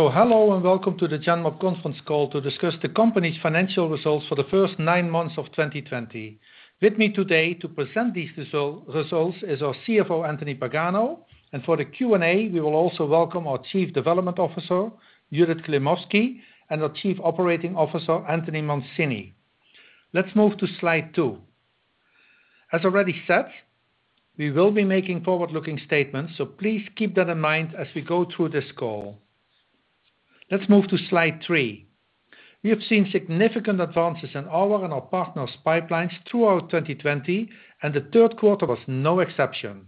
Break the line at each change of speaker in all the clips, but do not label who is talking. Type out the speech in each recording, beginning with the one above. Hello and welcome to the Genmab conference call to discuss the company's financial results for the first nine months of 2020. With me today to present these results is our CFO, Anthony Pagano, and for the Q&A, we will also welcome our Chief Development Officer, Judith Klimovsky, and our Chief Operating Officer, Anthony Mancini. Let's move to slide two. As already said, we will be making forward-looking statements, please keep that in mind as we go through this call. Let's move to slide three. We have seen significant advances in our and our partners' pipelines throughout 2020, and the third quarter was no exception.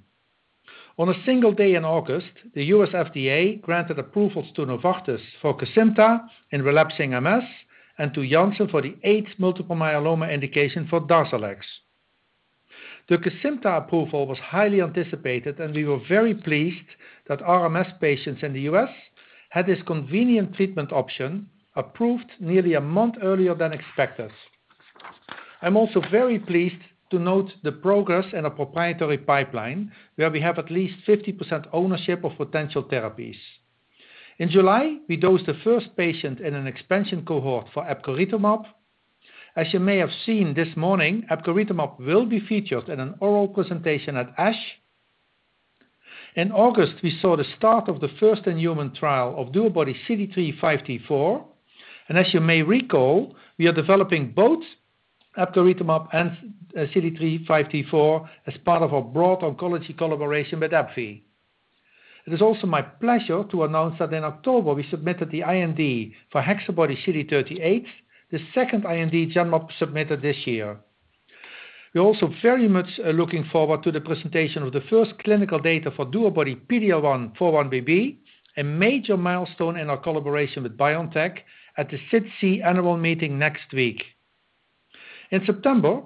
On a single day in August, the U.S. FDA granted approvals to Novartis for Kesimpta in relapsing MS, and to Janssen for the eighth multiple myeloma indication for DARZALEX. The Kesimpta approval was highly anticipated. We were very pleased that RMS patients in the U.S. had this convenient treatment option approved nearly a month earlier than expected. I'm also very pleased to note the progress in our proprietary pipeline, where we have at least 50% ownership of potential therapies. In July, we dosed the first patient in an expansion cohort for epcoritamab. As you may have seen this morning, epcoritamab will be featured in an oral presentation at ASH. In August, we saw the start of the first-in-human trial of DuoBody-CD3x5T4. As you may recall, we are developing both epcoritamab and DuoBody-CD3x5T4 as part of our broad oncology collaboration with AbbVie. It is also my pleasure to announce that in October we submitted the IND for HexaBody-CD38, the second IND Genmab submitted this year. We're also very much looking forward to the presentation of the first clinical data for DuoBody-PD-L1x4-1BB, a major milestone in our collaboration with BioNTech at the SITC annual meeting next week. In September,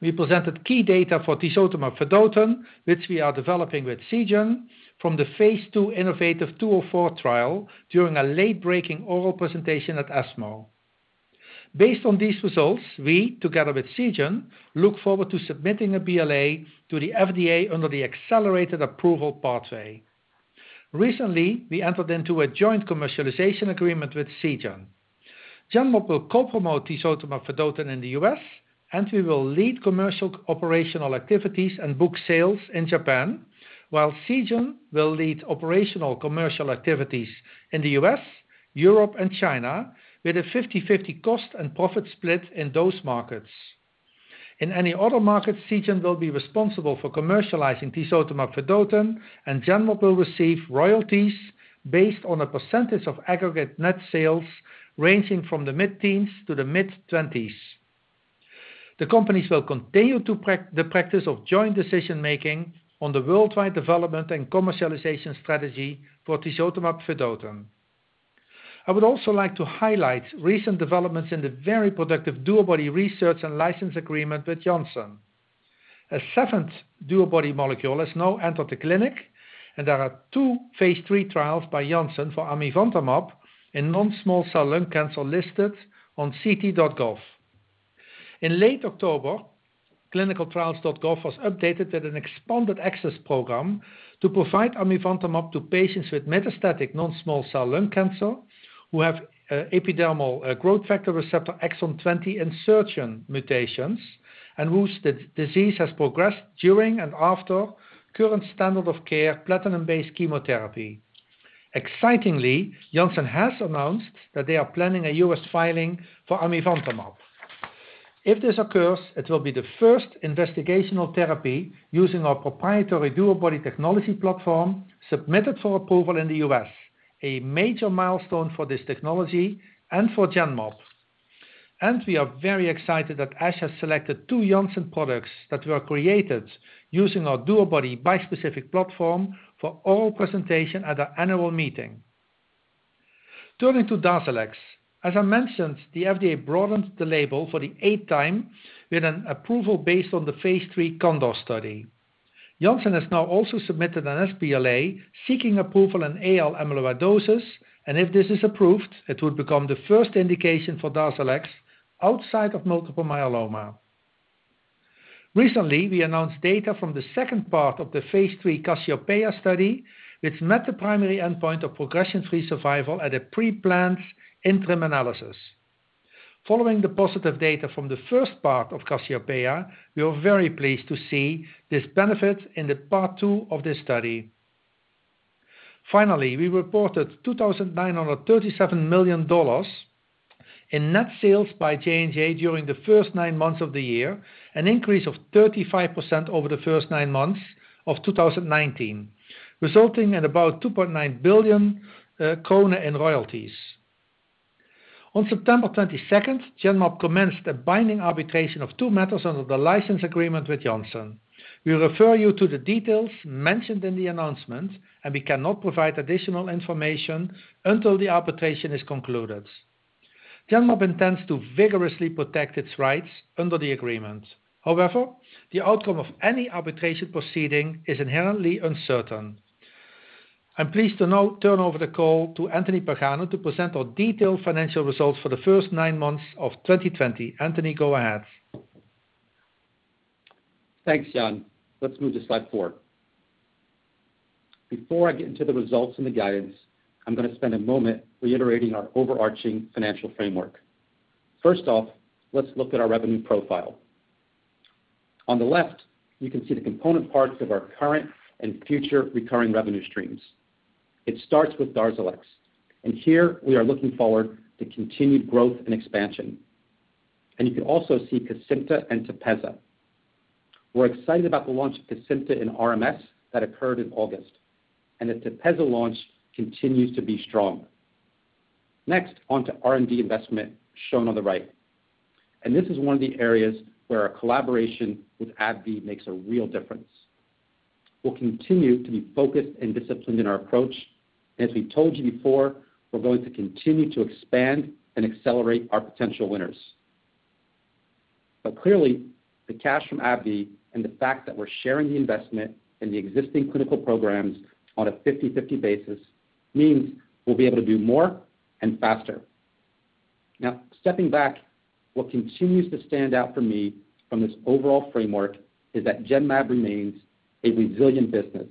we presented key data for tisotumab vedotin, which we are developing with Seagen, from the phase II innovaTV 204 trial during a late-breaking oral presentation at ESMO. Based on these results, we, together with Seagen, look forward to submitting a BLA to the FDA under the accelerated approval pathway. Recently, we entered into a joint commercialization agreement with Seagen. Genmab will co-promote tisotumab vedotin in the U.S., and we will lead commercial operational activities and book sales in Japan, while Seagen will lead operational commercial activities in the U.S., Europe, and China with a 50/50 cost and profit split in those markets. In any other markets, Seagen will be responsible for commercializing tisotumab vedotin, and Genmab will receive royalties based on a percentage of aggregate net sales ranging from the mid-teens to the mid-20s. The companies will continue the practice of joint decision-making on the worldwide development and commercialization strategy for tisotumab vedotin. I would also like to highlight recent developments in the very productive DuoBody research and license agreement with Janssen. A seventh DuoBody molecule has now entered the clinic, and there are two phase III trials by Janssen for amivantamab in non-small cell lung cancer listed on ct.gov. In late October, clinicaltrials.gov was updated with an expanded access program to provide amivantamab to patients with metastatic non-small cell lung cancer who have epidermal growth factor receptor exon 20 insertion mutations and whose disease has progressed during and after current standard of care platinum-based chemotherapy. Excitingly, Janssen has announced that they are planning a U.S. filing for amivantamab. If this occurs, it will be the first investigational therapy using our proprietary DuoBody technology platform submitted for approval in the U.S., a major milestone for this technology and for Genmab. We are very excited that ASH has selected two Janssen products that were created using our DuoBody bispecific platform for oral presentation at their annual meeting. Turning to DARZALEX, as I mentioned, the FDA broadened the label for the eighth time with an approval based on the phase III CANDOR study. Janssen has now also submitted an sBLA seeking approval in AL amyloidosis, and if this is approved, it would become the first indication for DARZALEX outside of multiple myeloma. Recently, we announced data from the second part of the phase III CASSIOPEIA study, which met the primary endpoint of progression-free survival at a pre-planned interim analysis. Following the positive data from the first part of CASSIOPEIA, we are very pleased to see this benefit in the part two of this study. We reported $2,937 million in net sales by J&J during the first nine months of the year, an increase of 35% over the first nine months of 2019, resulting in about 2.9 billion in royalties. On September 22nd, Genmab commenced a binding arbitration of two matters under the license agreement with Janssen. We refer you to the details mentioned in the announcement, we cannot provide additional information until the arbitration is concluded. Genmab intends to vigorously protect its rights under the agreement. The outcome of any arbitration proceeding is inherently uncertain. I'm pleased to now turn over the call to Anthony Pagano to present our detailed financial results for the first nine months of 2020. Anthony, go ahead.
Thanks, Jan. Let's move to slide four. Before I get into the results and the guidance, I'm going to spend a moment reiterating our overarching financial framework. First off, let's look at our revenue profile. On the left, you can see the component parts of our current and future recurring revenue streams. It starts with DARZALEX. Here we are looking forward to continued growth and expansion. You can also see Kesimpta and TEPEZZA. We're excited about the launch of Kesimpta in RMS that occurred in August. The TEPEZZA launch continues to be strong. Next, on to R&D investment, shown on the right. This is one of the areas where our collaboration with AbbVie makes a real difference. We'll continue to be focused and disciplined in our approach. As we've told you before, we're going to continue to expand and accelerate our potential winners. Clearly, the cash from AbbVie and the fact that we're sharing the investment in the existing clinical programs on a 50/50 basis means we'll be able to do more and faster. Stepping back, what continues to stand out for me from this overall framework is that Genmab remains a resilient business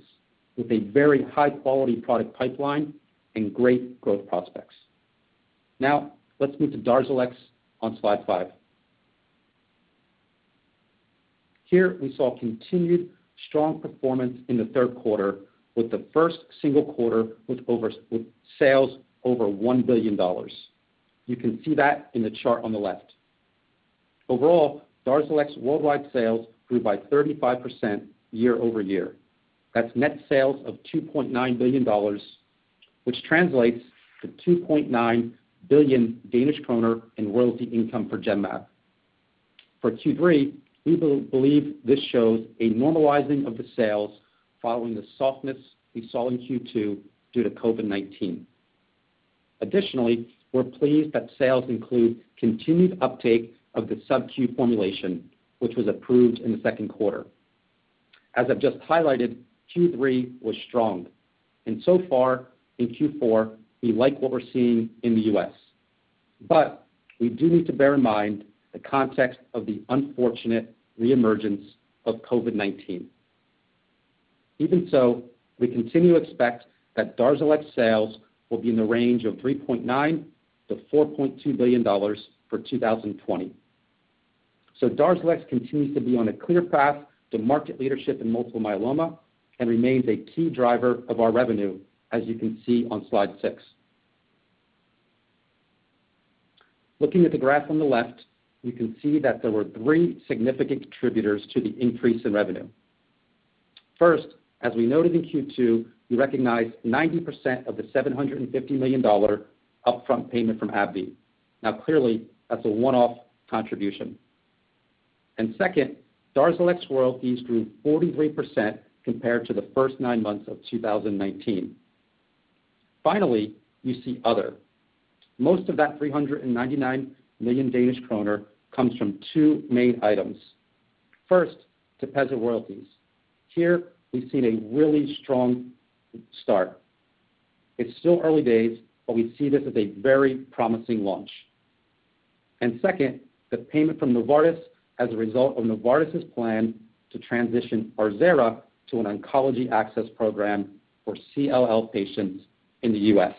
with a very high-quality product pipeline and great growth prospects. Let's move to DARZALEX on slide five. Here, we saw continued strong performance in the third quarter with the first single quarter with sales over $1 billion. You can see that in the chart on the left. Overall, DARZALEX worldwide sales grew by 35% year-over-year. That's net sales of $2.9 billion, which translates to 2.9 billion Danish kroner in royalty income for Genmab. For Q3, we believe this shows a normalizing of the sales following the softness we saw in Q2 due to COVID-19. Additionally, we're pleased that sales include continued uptake of the subcu formulation, which was approved in the second quarter. As I've just highlighted, Q3 was strong, and so far in Q4, we like what we're seeing in the U.S., but we do need to bear in mind the context of the unfortunate reemergence of COVID-19. Even so, we continue to expect that DARZALEX sales will be in the range of $3.9 billion-$4.2 billion for 2020. DARZALEX continues to be on a clear path to market leadership in multiple myeloma and remains a key driver of our revenue, as you can see on slide six. Looking at the graph on the left, you can see that there were three significant contributors to the increase in revenue. First, as we noted in Q2, we recognized 90% of the DKK 750 million upfront payment from AbbVie. Clearly, that's a one-off contribution. Second, DARZALEX royalties grew 43% compared to the first nine months of 2019. You see other. Most of that 399 million Danish kroner comes from two main items. First, TEPEZZA royalties. Here, we've seen a really strong start. It's still early days, but we see this as a very promising launch. Second, the payment from Novartis as a result of Novartis' plan to transition Arzerra to an oncology access program for CLL patients in the U.S.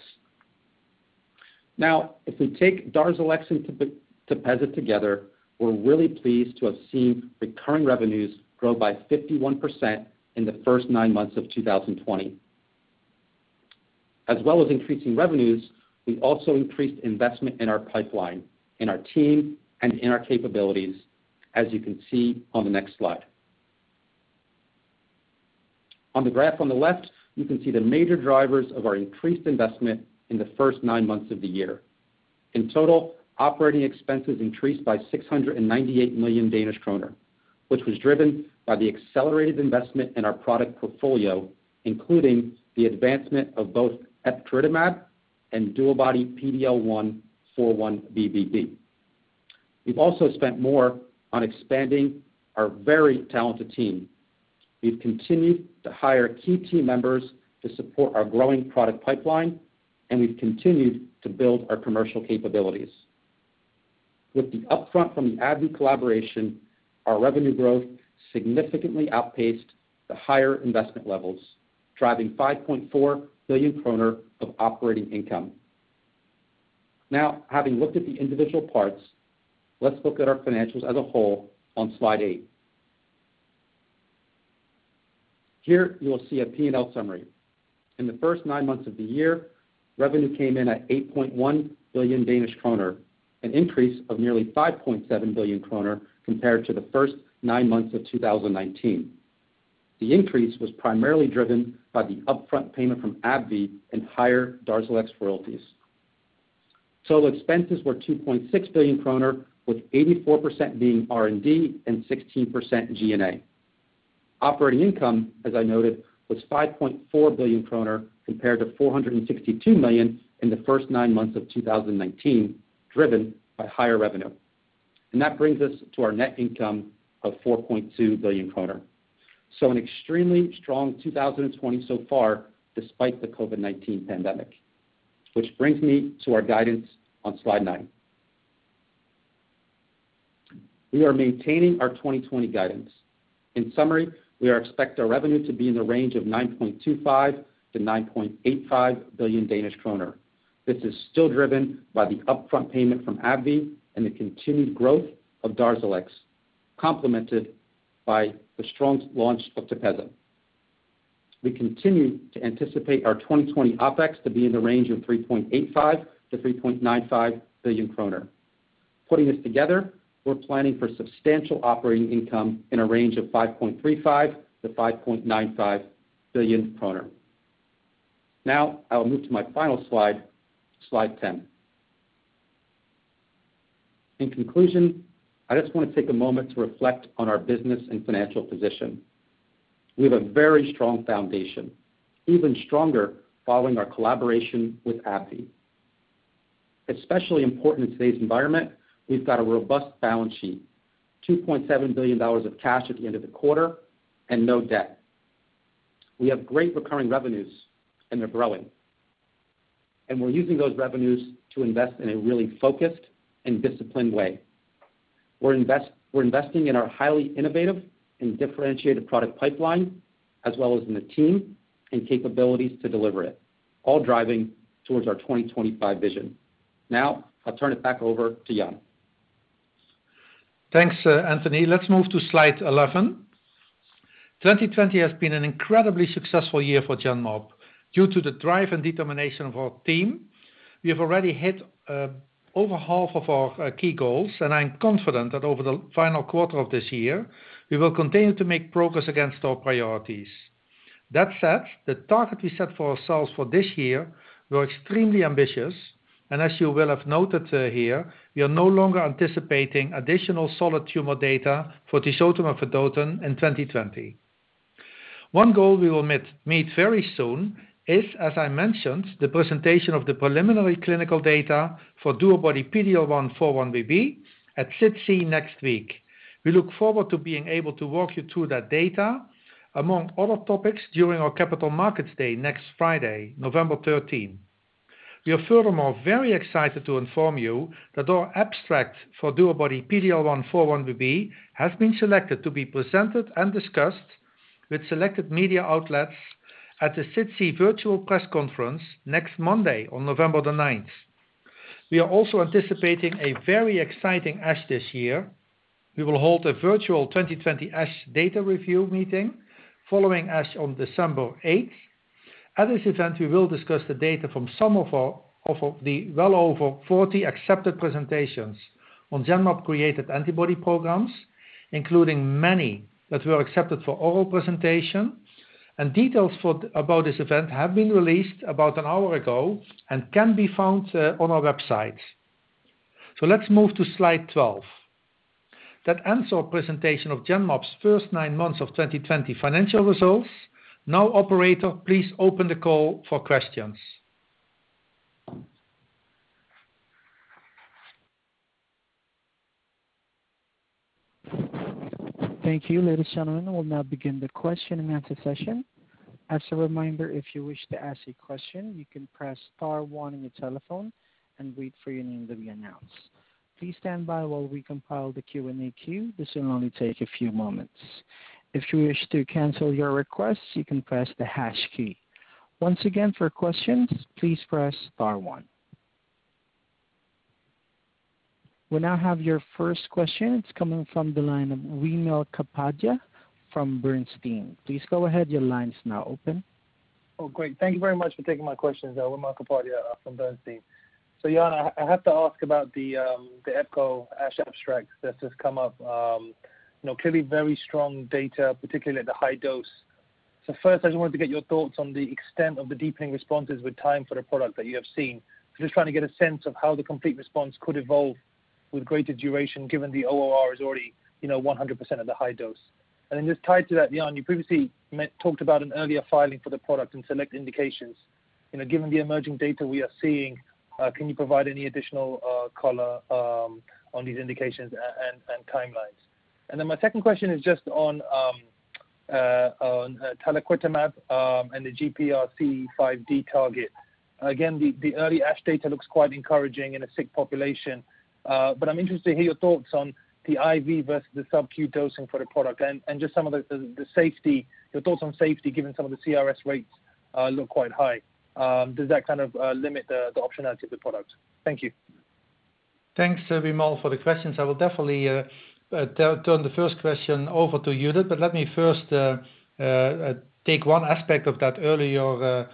If we take DARZALEX and TEPEZZA together, we're really pleased to have seen recurring revenues grow by 51% in the first nine months of 2020. As well as increasing revenues, we've also increased investment in our pipeline, in our team, and in our capabilities, as you can see on the next slide. On the graph on the left, you can see the major drivers of our increased investment in the first nine months of the year. In total, operating expenses increased by 698 million Danish kroner, which was driven by the accelerated investment in our product portfolio, including the advancement of both epcoritamab and DuoBody-PD-L1x4-1BB. We've also spent more on expanding our very talented team. We've continued to hire key team members to support our growing product pipeline, and we've continued to build our commercial capabilities. With the upfront from the AbbVie collaboration, our revenue growth significantly outpaced the higher investment levels, driving 5.4 billion kroner of operating income. Having looked at the individual parts, let's look at our financials as a whole on slide eight. Here you will see a P&L summary. In the first nine months of the year, revenue came in at 8.1 billion Danish kroner, an increase of nearly 5.7 billion kroner compared to the first nine months of 2019. The increase was primarily driven by the upfront payment from AbbVie and higher DARZALEX royalties. Total expenses were 2.6 billion kroner, with 84% being R&D and 16% G&A. Operating income, as I noted, was 5.4 billion kroner compared to 462 million in the first nine months of 2019, driven by higher revenue. That brings us to our net income of 4.2 billion kroner. An extremely strong 2020 so far despite the COVID-19 pandemic, which brings me to our guidance on slide nine. We are maintaining our 2020 guidance. In summary, we expect our revenue to be in the range of 9.25 billion to 9.85 billion Danish kroner. This is still driven by the upfront payment from AbbVie and the continued growth of DARZALEX, complemented by the strong launch of TEPEZZA. We continue to anticipate our 2020 OpEx to be in the range of 3.85 billion to 3.95 billion kroner. Putting this together, we're planning for substantial operating income in a range of 5.35 billion to 5.95 billion kroner. Now, I'll move to my final slide 10. In conclusion, I just want to take a moment to reflect on our business and financial position. We have a very strong foundation, even stronger following our collaboration with AbbVie. Especially important in today's environment, we've got a robust balance sheet, DKK 2.7 billion of cash at the end of the quarter, and no debt. We have great recurring revenues, and they're growing. We're using those revenues to invest in a really focused and disciplined way. We're investing in our highly innovative and differentiated product pipeline, as well as in the team and capabilities to deliver it, all driving towards our 2025 vision. I'll turn it back over to Jan.
Thanks, Anthony. Let's move to slide 11. 2020 has been an incredibly successful year for Genmab. Due to the drive and determination of our team, we have already hit over half of our key goals, and I'm confident that over the final quarter of this year, we will continue to make progress against our priorities. That said, the targets we set for ourselves for this year were extremely ambitious, and as you will have noted here, we are no longer anticipating additional solid tumor data for tisotumab and fototaxia in 2020. One goal we will meet very soon is, as I mentioned, the presentation of the preliminary clinical data for DuoBody-PD-L1x4-1BB at SITC next week. We look forward to being able to walk you through that data, among other topics, during our Capital Markets Day next Friday, November 13. We are furthermore very excited to inform you that our abstract for DuoBody-PD-L1x4-1BB has been selected to be presented and discussed with selected media outlets at the SITC virtual press conference next Monday on November 9th. We are also anticipating a very exciting ASH this year. We will hold a virtual 2020 ASH data review meeting following ASH on December 8th. At this event, we will discuss the data from some of the well over 40 accepted presentations on Genmab-created antibody programs, including many that were accepted for oral presentation. Details about this event have been released about an hour ago and can be found on our website. Let's move to slide 12. That ends our presentation of Genmab's first nine months of 2020 financial results. Operator, please open the call for questions.
Thank you. Ladies, gentlemen, we'll now begin the question-and-answer session. As a reminder, if you wish to ask a question, you can press star one on your telephone and wait for your name to be announced. Please stand by while we compile the Q&A queue. This will only take a few moments. If you wish to cancel your request, you can press the hash key. Once again, for questions, please press star one. We now have your first question. It's coming from the line of Wimal Kapadia from Bernstein. Please go ahead. Your line is now open.
Oh, great. Thank you very much for taking my questions. Wimal Kapadia from Bernstein. Jan, I have to ask about the epco ASH abstract that has come up. Clearly very strong data, particularly at the high dose. First, I just wanted to get your thoughts on the extent of the deepening responses with time for the product that you have seen. Just trying to get a sense of how the complete response could evolve with greater duration given the ORR is already 100% of the high dose. Just tied to that, Jan, you previously talked about an earlier filing for the product and select indications. Given the emerging data we are seeing, can you provide any additional color on these indications and timelines? My second question is just on talquetamab and the GPRC5D target. The early ASH data looks quite encouraging in a sick population. I'm interested to hear your thoughts on the IV versus the subcu dosing for the product and just some of the thoughts on safety, given some of the CRS rates look quite high. Does that kind of limit the optionality of the product? Thank you.
Thanks, Wimal, for the questions. I will definitely turn the first question over to Judith, but let me first take one aspect of that earlier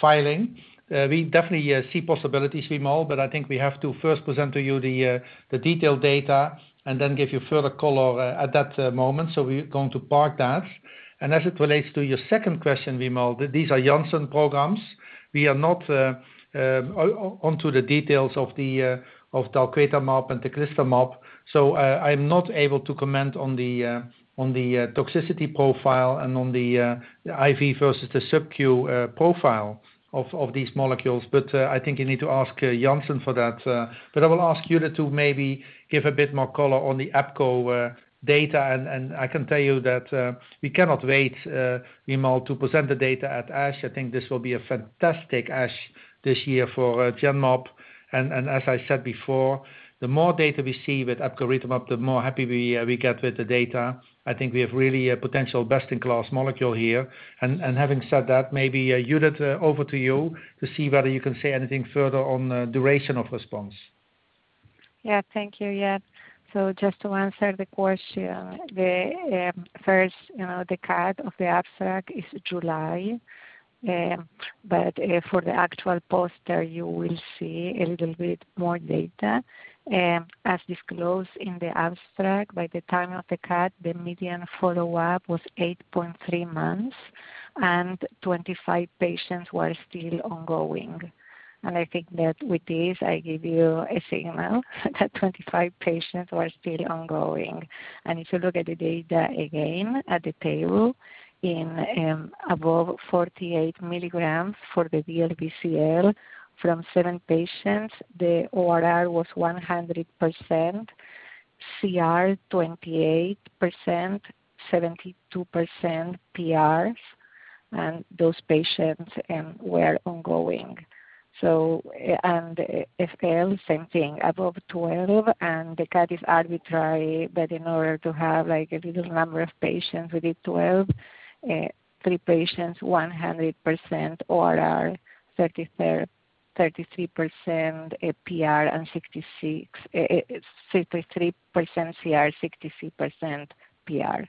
filing. We definitely see possibilities, Wimal, but I think we have to first present to you the detailed data and then give you further color at that moment. We're going to park that. As it relates to your second question, Wimal, these are Janssen programs. We are not onto the details of talquetamab and teclistamab. I'm not able to comment on the toxicity profile and on the IV versus the subcu profile of these molecules. I think you need to ask Janssen for that. I will ask Judith to maybe give a bit more color on the epco data. I can tell you that we cannot wait, Wimal, to present the data at ASH. I think this will be a fantastic ASH this year for Genmab. As I said before, the more data we see with epcoritamab, the more happy we get with the data. I think we have really a potential best-in-class molecule here. Having said that, maybe Judith, over to you to see whether you can say anything further on duration of response.
Thank you, Jan. Just to answer the question, the first cut of the abstract is July. For the actual poster, you will see a little bit more data. As disclosed in the abstract, by the time of the cut, the median follow-up was 8.3 months, and 25 patients were still ongoing. I think that with this, I give you a signal that 25 patients were still ongoing. If you look at the data again at the table, in above 48 milligrams for the DLBCL, from seven patients, the ORR was 100%, CR 28%, 72% PRs, and those patients were ongoing. FL, same thing, above 12, and the cut is arbitrary, but in order to have a little number of patients within 12, three patients 100% ORR, 33% PR and 63% CR, 63% PR.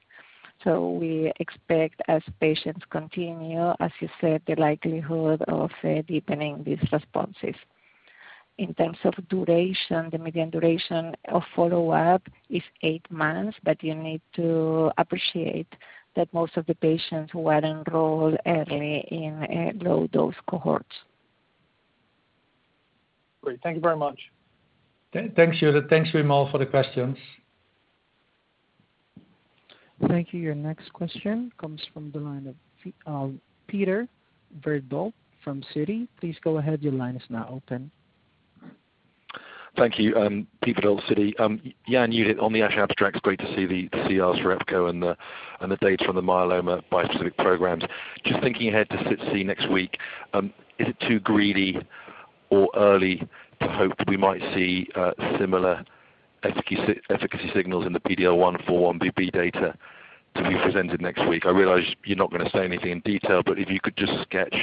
We expect as patients continue, as you said, the likelihood of deepening these responses. In terms of duration, the median duration of follow-up is eight months, but you need to appreciate that most of the patients who are enrolled are in low-dose cohorts.
Great. Thank you very much.
Thanks, Judith. Thanks, Wimal, for the questions.
Thank you. Your next question comes from the line of Peter Verdult from Citi. Please go ahead.
Thank you. Peter Verdult, Citi. Jan, Judith, on the ASH abstracts, great to see the CRs for epco and the data from the myeloma bispecific programs. Just thinking ahead to SITC next week, is it too greedy or early to hope that we might see similar efficacy signals in the PD-L1 4-1BB data to be presented next week? I realize you're not going to say anything in detail, if you could just sketch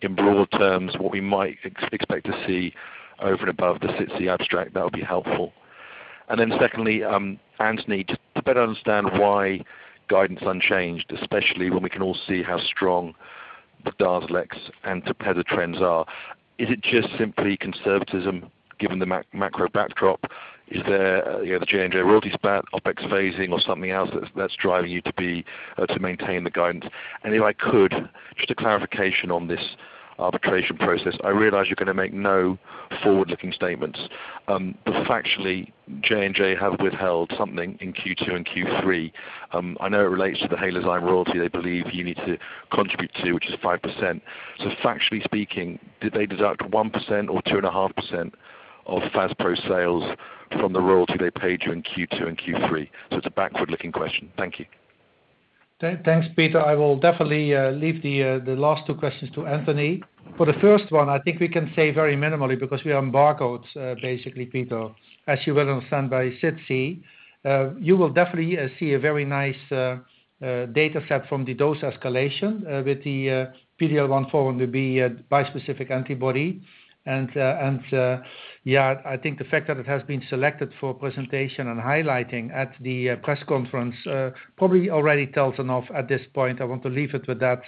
in broad terms what we might expect to see over and above the SITC abstract, that would be helpful. Secondly, Anthony, to better understand why guidance unchanged, especially when we can all see how strong the DARZALEX and TEPEZZA trends are. Is it just simply conservatism given the macro backdrop? Is there the J&J royalties back, OpEx phasing or something else that's driving you to maintain the guidance? If I could, just a clarification on this arbitration process. I realize you're going to make no forward-looking statements. Factually, J&J have withheld something in Q2 and Q3. I know it relates to the Halozyme royalty they believe you need to contribute to, which is 5%. Factually speaking, did they deduct 1% or 2.5% of Faspro sales from the royalty they paid you in Q2 and Q3? It's a backward-looking question. Thank you.
Thanks, Peter. I will definitely leave the last two questions to Anthony. For the first one, I think we can say very minimally because we are embargoed, basically, Peter, as you well understand by SITC. You will definitely see a very nice dataset from the dose escalation with the PD-L1x4-1BB bispecific antibody. Yeah, I think the fact that it has been selected for presentation and highlighting at the press conference probably already tells enough at this point. I want to leave it with that,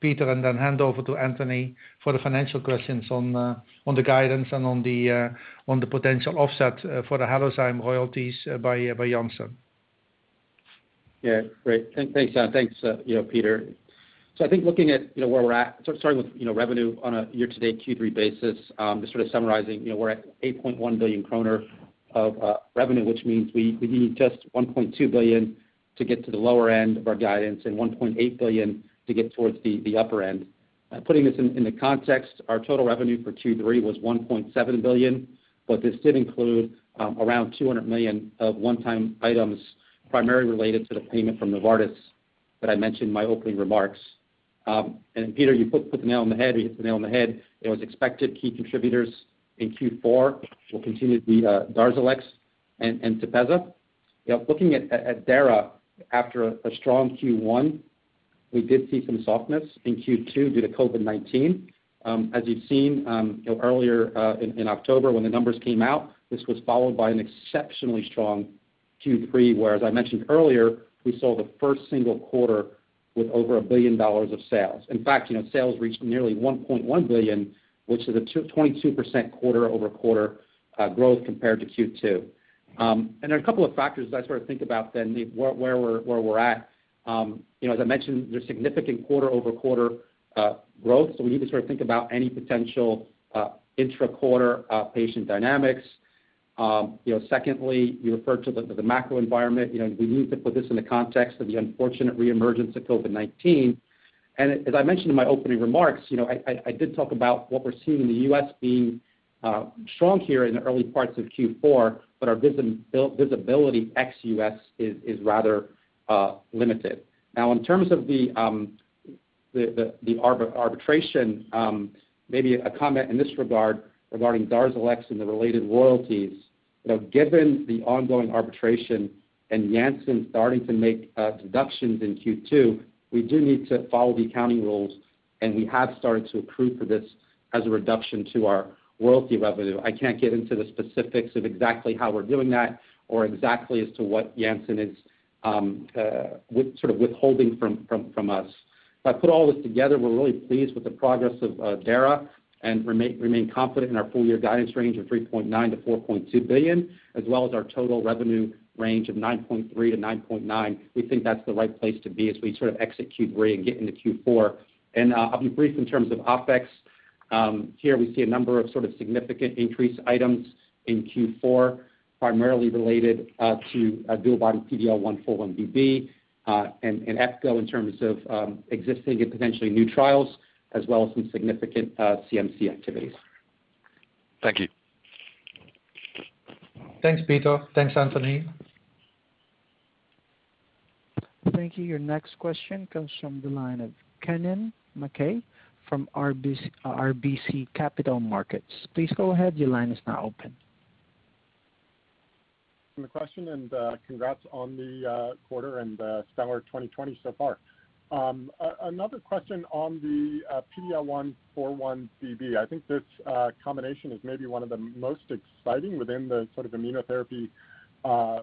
Peter, and then hand over to Anthony for the financial questions on the guidance and on the potential offset for the Halozyme royalties by Janssen.
Great. Thanks, Jan. Thanks, Peter. Looking at where we're at, starting with revenue on a year-to-date Q3 basis, just sort of summarizing, we're at 8.1 billion kroner of revenue, which means we need just 1.2 billion to get to the lower end of our guidance and 1.8 billion to get towards the upper end. Putting this in the context, our total revenue for Q3 was 1.7 billion, but this did include around 200 million of one-time items, primarily related to the payment from Novartis that I mentioned in my opening remarks. Peter, you hit the nail on the head. It was expected key contributors in Q4 will continue to be DARZALEX and TEPEZZA. Looking at Dara, after a strong Q1, we did see some softness in Q2 due to COVID-19. Earlier in October when the numbers came out, this was followed by an exceptionally strong Q3, where, as I mentioned earlier, we saw the first single quarter with over $1 billion of sales. Sales reached nearly $1.1 billion, which is a 22% quarter-over-quarter growth compared to Q2. There are a couple of factors that I think about then where we're at. I mentioned, there's significant quarter-over-quarter growth. We need to think about any potential intra-quarter patient dynamics. Secondly, you referred to the macro environment. We need to put this in the context of the unfortunate reemergence of COVID-19. As I mentioned in my opening remarks, I did talk about what we're seeing in the U.S. being strong here in the early parts of Q4, but our visibility ex-U.S. is rather limited. Now, in terms of the arbitration, maybe a comment in this regard regarding DARZALEX and the related royalties. Given the ongoing arbitration and Janssen starting to make deductions in Q2, we do need to follow the accounting rules, and we have started to accrue for this as a reduction to our royalty revenue. I can't get into the specifics of exactly how we're doing that or exactly as to what Janssen is withholding from us. If I put all this together, we're really pleased with the progress of dara, and remain confident in our full year guidance range of 3.9 billion-4.2 billion, as well as our total revenue range of 9.3 billion-9.9 billion. We think that's the right place to be as we exit Q3 and get into Q4. I'll be brief in terms of OpEx. Here we see a number of significant increase items in Q4, primarily related to DuoBody-PD-L1x4-1BB, and epco in terms of existing and potentially new trials, as well as some significant CMC activities.
Thank you.
Thanks, Peter. Thanks, Anthony.
Thank you. Your next question comes from the line of Kennen MacKay from RBC Capital Markets. Please go ahead, your line is now open.
For the question, and congrats on the quarter and stellar 2020 so far. Another question on the PD-L1x4-1BB. I think this combination is maybe one of the most exciting within the immunotherapy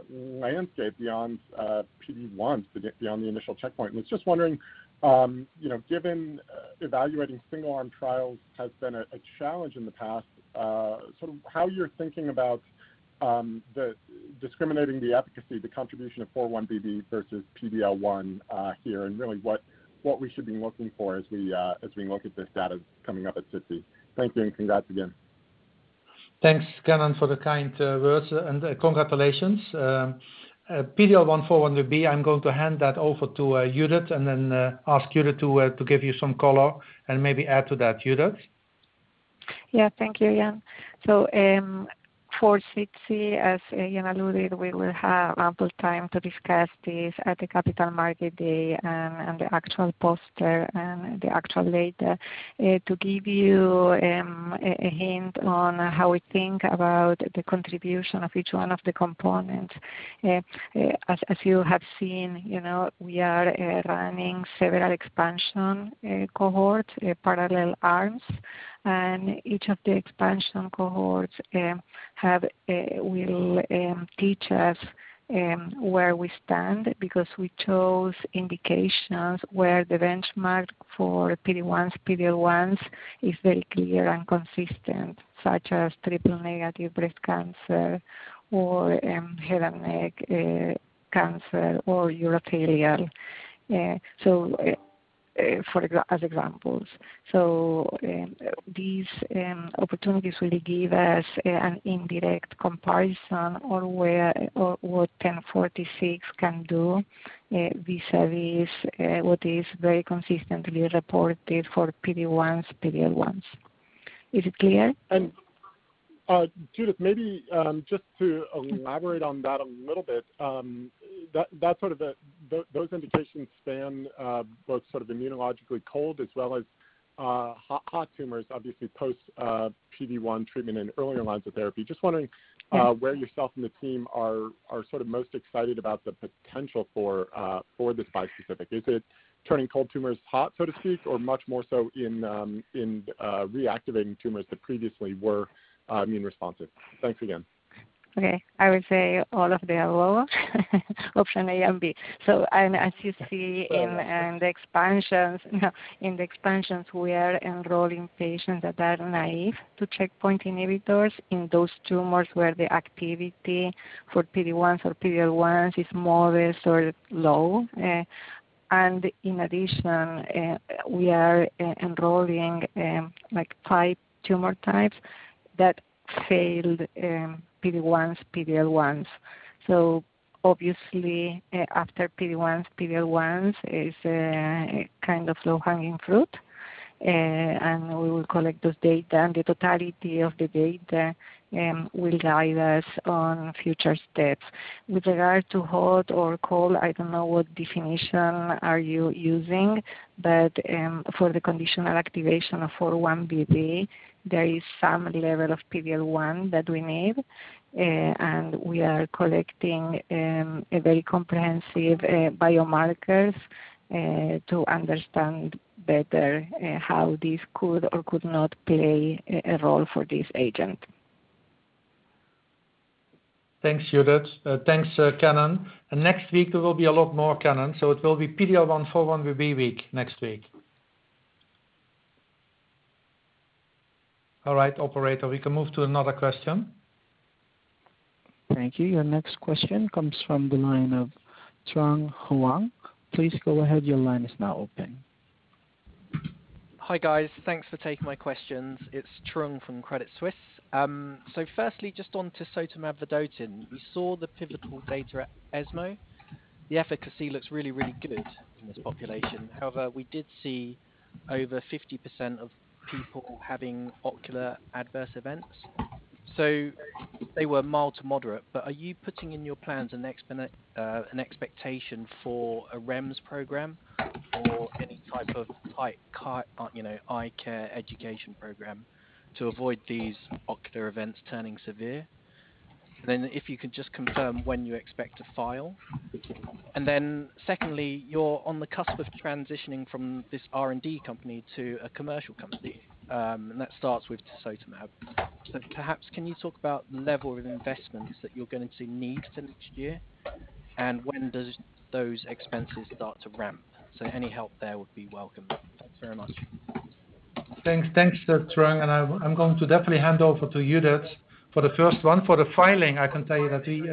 landscape beyond PD-1, beyond the initial checkpoint. Was just wondering, given evaluating single arm trials has been a challenge in the past, how you're thinking about discriminating the efficacy, the contribution of 4-1BB versus PD-L1 here, and really what we should be looking for as we look at this data coming up at SITC. Thank you and congrats again.
Thanks, Kennen, for the kind words, and congratulations. PD-L1x4-1BB, I'm going to hand that over to Judith then ask Judith to give you some color and maybe add to that. Judith?
Thank you, Jan. For SITC, as Jan alluded, we will have ample time to discuss this at the Capital Market Day and the actual poster and the actual data. To give you a hint on how we think about the contribution of each one of the components. As you have seen, we are running several expansion cohorts, parallel arms. Each of the expansion cohorts will teach us where we stand because we chose indications where the benchmark for PD-1s, PD-L1s is very clear and consistent, such as triple negative breast cancer or head and neck cancer or urothelial as examples. These opportunities will give us an indirect comparison on what 1046 can do vis-a-vis what is very consistently reported for PD-1s, PD-L1s. Is it clear?
And Judith, maybe just to elaborate on that a little bit. Those indications span both immunologically cold as well as hot tumors, obviously post PD-1 treatment and earlier lines of therapy. Just wondering where yourself and the team are most excited about the potential for this bispecific. Is it turning cold tumors hot, so to speak, or much more so in reactivating tumors that previously were immune responsive? Thanks again.
Okay. I would say all of the above. Option A and B. As you see in the expansions, we are enrolling patients that are naive to checkpoint inhibitors in those tumors where the activity for PD-1s or PD-L1s is modest or low. In addition, we are enrolling five tumor types that failed PD-1s, PD-L1s. Obviously after PD-1s, PD-L1s is a kind of low-hanging fruit, and we will collect those data, and the totality of the data will guide us on future steps. With regard to hot or cold, I don't know what definition are you using, but for the conditional activation of 4-1BB, there is some level of PD-L1 that we need, and we are collecting very comprehensive biomarkers to understand better how this could or could not play a role for this agent.
Thanks, Judith. Thanks, Kennen. Next week there will be a lot more, Kennen. It will be PD-L1x4-1BB week next week. All right, operator, we can move to another question.
Thank you. Your next question comes from the line of Trung Huynh. Please go ahead, your line is now open.
Hi, guys. Thanks for taking my questions. It's Trung from Credit Suisse. firstly, just on tisotumab vedotin. We saw the pivotal data at ESMO. The efficacy looks really, really good in this population. However, we did see over 50% of people having ocular adverse events. They were mild to moderate, but are you putting in your plans an expectation for a REMS program or any type of eye care education program to avoid these ocular events turning severe? If you could just confirm when you expect to file. Secondly, you're on the cusp of transitioning from this R&D company to a commercial company, and that starts with tisotumab vedotin. Perhaps can you talk about the level of investments that you're going to need for next year, and when does those expenses start to ramp? Any help there would be welcome. Thanks very much.
Thanks, Trung. I'm going to definitely hand over to Judith for the first one. For the filing, I can tell you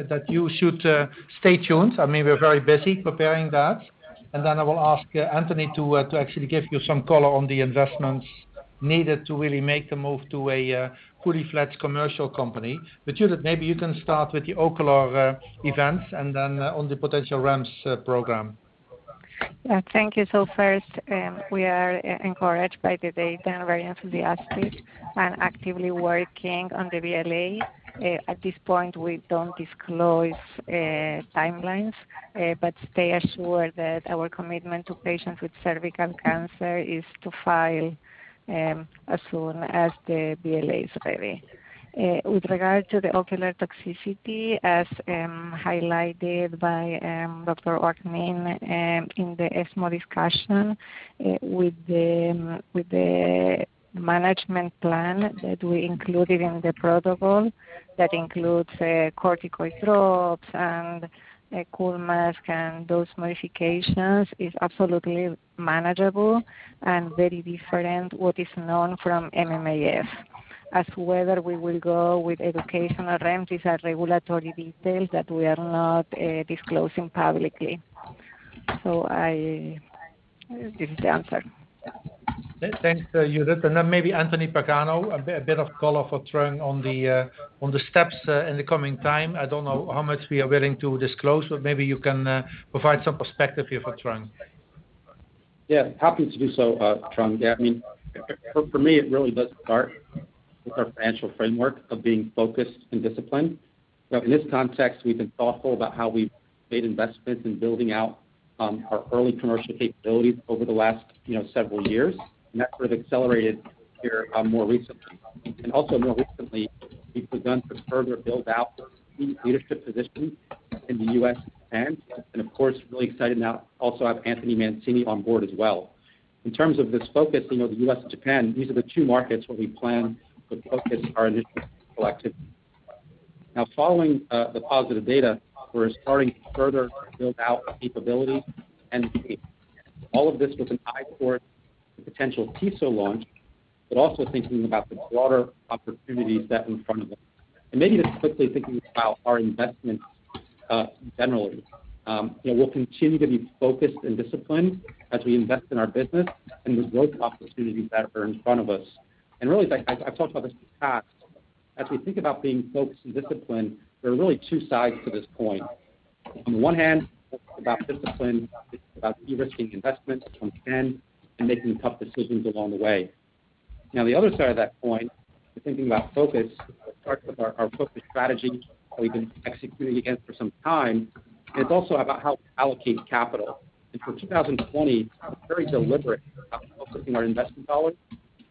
that you should stay tuned. We're very busy preparing that. Then I will ask Anthony to actually give you some color on the investments needed to really make the move to a fully fledged commercial company. Judith, maybe you can start with the ocular events and then on the potential REMS program.
Yeah, thank you. First, we are encouraged by the data and very enthusiastic and actively working on the BLA. At this point, we don't disclose timelines, but stay assured that our commitment to patients with cervical cancer is to file as soon as the BLA is ready. With regard to the ocular toxicity, as highlighted by Dr. Oaknin in the ESMO discussion, with the management plan that we included in the protocol, that includes corticosteroid drops and a cool mask and those modifications is absolutely manageable and very different what is known from MMAE. As whether we will go with educational REMS is a regulatory detail that we are not disclosing publicly. This is the answer.
Thanks, Judith. Then maybe Anthony Pagano, a bit of color for Trung on the steps in the coming time. I don't know how much we are willing to disclose, but maybe you can provide some perspective here for Trung.
Yeah, happy to do so, Trung. For me, it really does start with our financial framework of being focused and disciplined. In this context, we've been thoughtful about how we've made investments in building out our early commercial capabilities over the last several years, and that sort of accelerated here more recently. Also more recently, we've begun to further build out key leadership positions in the U.S. and Japan, and of course, really excited now also have Anthony Mancini on board as well. In terms of this focus, the U.S. and Japan, these are the two markets where we plan to focus our initial activities. Following the positive data, we're starting to further build out our capabilities and all of this with an eye toward the potential TV launch, but also thinking about the broader opportunities that are in front of us. Maybe just quickly thinking about our investments generally. We'll continue to be focused and disciplined as we invest in our business and the growth opportunities that are in front of us. Really, I've talked about this in the past. As we think about being focused and disciplined, there are really two sides to this coin. On the one hand, it's about discipline, it's about de-risking investments when we can, and making tough decisions along the way. The other side of that coin, thinking about focus, starts with our focus strategy we've been executing against for some time, and it's also about how we allocate capital. For 2020, very deliberate about focusing our investment dollars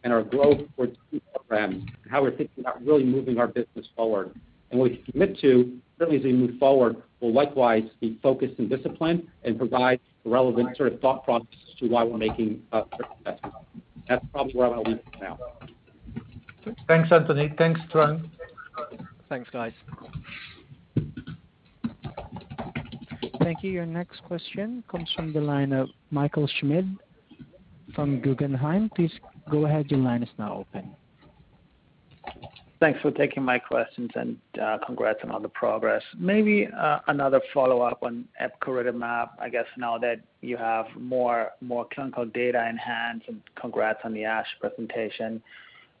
and our growth towards Tiso plans and how we're thinking about really moving our business forward. We commit to, certainly as we move forward, we'll likewise be focused and disciplined and provide relevant sort of thought process to why we're making certain investments. That's probably where I'll leave it for now.
Thanks, Anthony. Thanks, Trung.
Thanks, guys.
Thank you. Your next question comes from the line of Michael Schmidt from Guggenheim. Please go ahead.
Thanks for taking my questions and congrats on all the progress. Maybe another follow-up on epcoritamab, I guess now that you have more clinical data in hand, and congrats on the ASH presentation.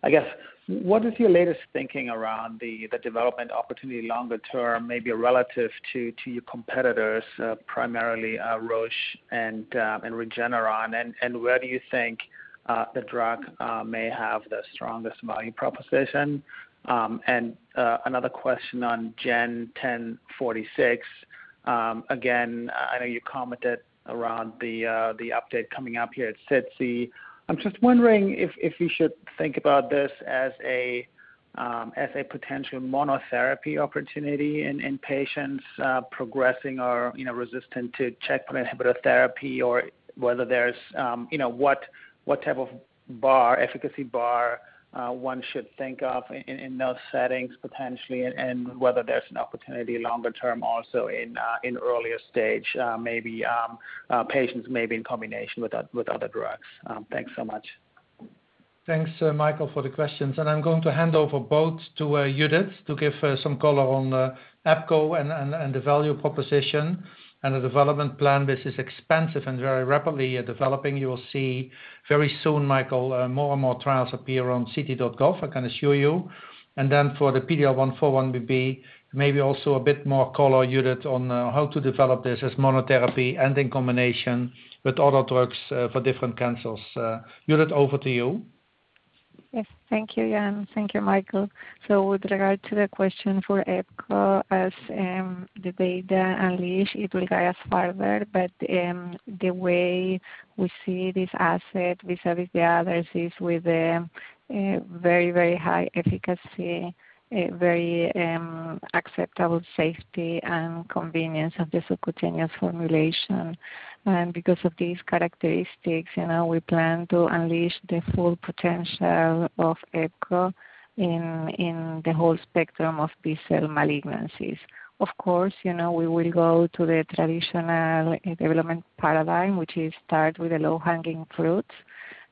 I guess, what is your latest thinking around the development opportunity longer term, maybe relative to your competitors, primarily Roche and Regeneron? Where do you think the drug may have the strongest value proposition? Another question on GEN1046. Again, I know you commented around the update coming up here at SITC. I'm just wondering if you should think about this as a potential monotherapy opportunity in patients progressing or resistant to checkpoint inhibitor therapy, or what type of efficacy bar one should think of in those settings potentially, and whether there's an opportunity longer term also in earlier stage, maybe patients maybe in combination with other drugs. Thanks so much.
Thanks, Michael, for the questions. I'm going to hand over both to Judith to give some color on epco and the value proposition and the development plan. This is expansive and very rapidly developing. You will see very soon, Michael, more and more trials appear on ClinicalTrials.gov, I can assure you. For the PD-L1x4-1BB, maybe also a bit more color, Judith, on how to develop this as monotherapy and in combination with other drugs for different cancers. Judith, over to you.
Yes. Thank you, Jan. Thank you, Michael. With regard to the question for epco, as the data unleash, it will guide us farther. The way we see this asset vis-a-vis the others is with a very high efficacy, a very acceptable safety, and convenience of the subcutaneous formulation. Because of these characteristics, we plan to unleash the full potential of epco in the whole spectrum of B-cell malignancies. Of course, we will go to the traditional development paradigm, which is start with the low-hanging fruits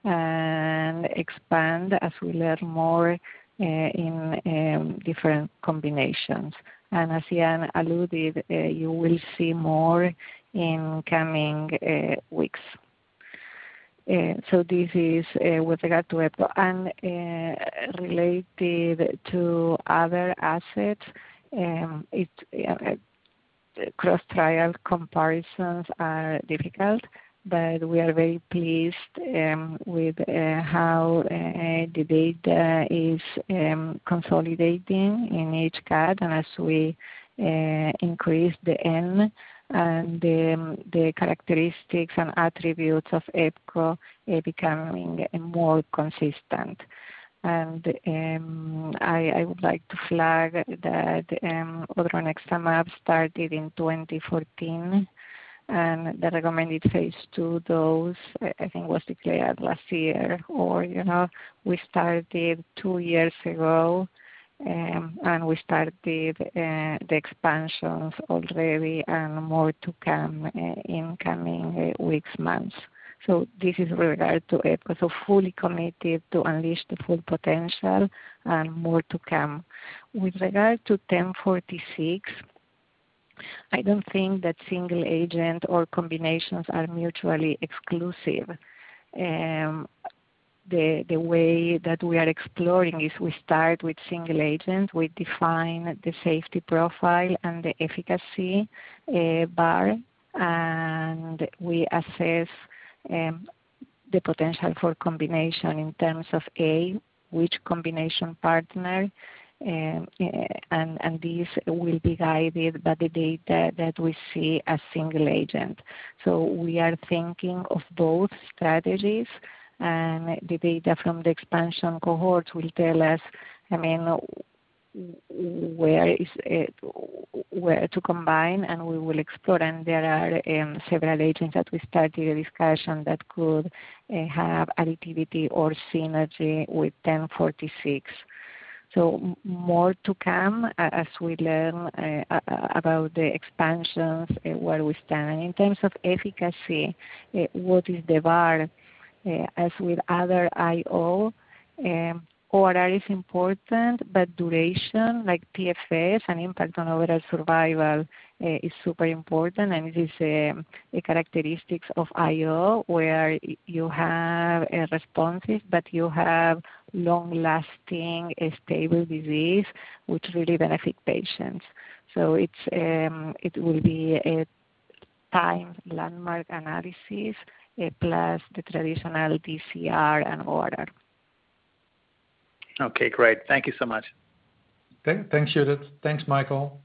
and expand as we learn more in different combinations. As Jan alluded, you will see more in coming weeks. This is with regard to epco. Related to other assets, cross-trial comparisons are difficult, but we are very pleased with how the data is consolidating in each cohort. As we increase the N, the characteristics and attributes of epco are becoming more consistent. I would like to flag that odronextamab started in 2014, and the recommended phase II dose, I think, was declared last year, or we started two years ago, and we started the expansions already and more to come in coming weeks, months. This is with regard to epco. Fully committed to unleash the full potential and more to come. With regard to 1046, I don't think that single agent or combinations are mutually exclusive. The way that we are exploring is we start with single agent, we define the safety profile and the efficacy bar, and we assess the potential for combination in terms of, A, which combination partner, and this will be guided by the data that we see as single agent. We are thinking of both strategies, the data from the expansion cohort will tell us where to combine, and we will explore. There are several agents that we started a discussion that could have additivity or synergy with 1046. More to come as we learn about the expansions, where we stand. In terms of efficacy, what is the bar? As with other IO, ORR is important, but duration, like PFS and impact on overall survival is super important. It is a characteristic of IO where you have responses, but you have long-lasting, stable disease, which really benefits patients. It will be a time landmark analysis plus the traditional DCR and ORR.
Okay, great. Thank you so much.
Thanks, Judith. Thanks, Michael.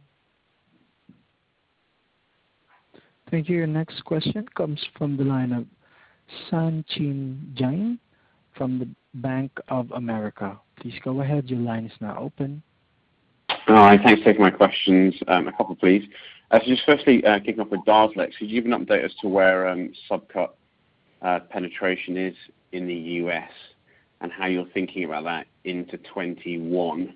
Thank you. Your next question comes from the line of Sachin Jain from the Bank of America. Please go ahead. Your line is now open.
Hi. Thanks for taking my questions. A couple, please. Firstly, kicking off with DARZALEX. Could you give an update as to where subcu penetration is in the U.S. and how you're thinking about that into 2021?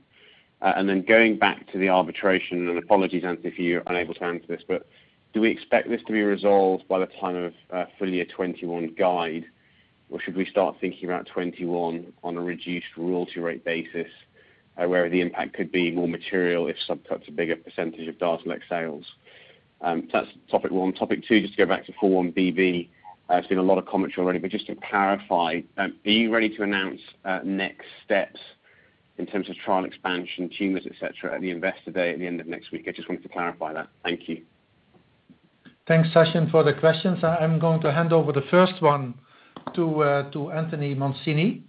Going back to the arbitration, and apologies, Anthony, if you're unable to answer this, but do we expect this to be resolved by the time of full year 2021 guide, or should we start thinking about 2021 on a reduced royalty rate basis, where the impact could be more material if subcu is a bigger percentage of DARZALEX sales? That's topic one. Topic two, to go back to 4-1BB. I've seen a lot of commentary already, to clarify, are you ready to announce next steps in terms of trial expansion, tumors, et cetera, at the Investor Day at the end of next week? I just wanted to clarify that. Thank you.
Thanks, Sachin, for the questions. I'm going to hand over the first one to Anthony Mancini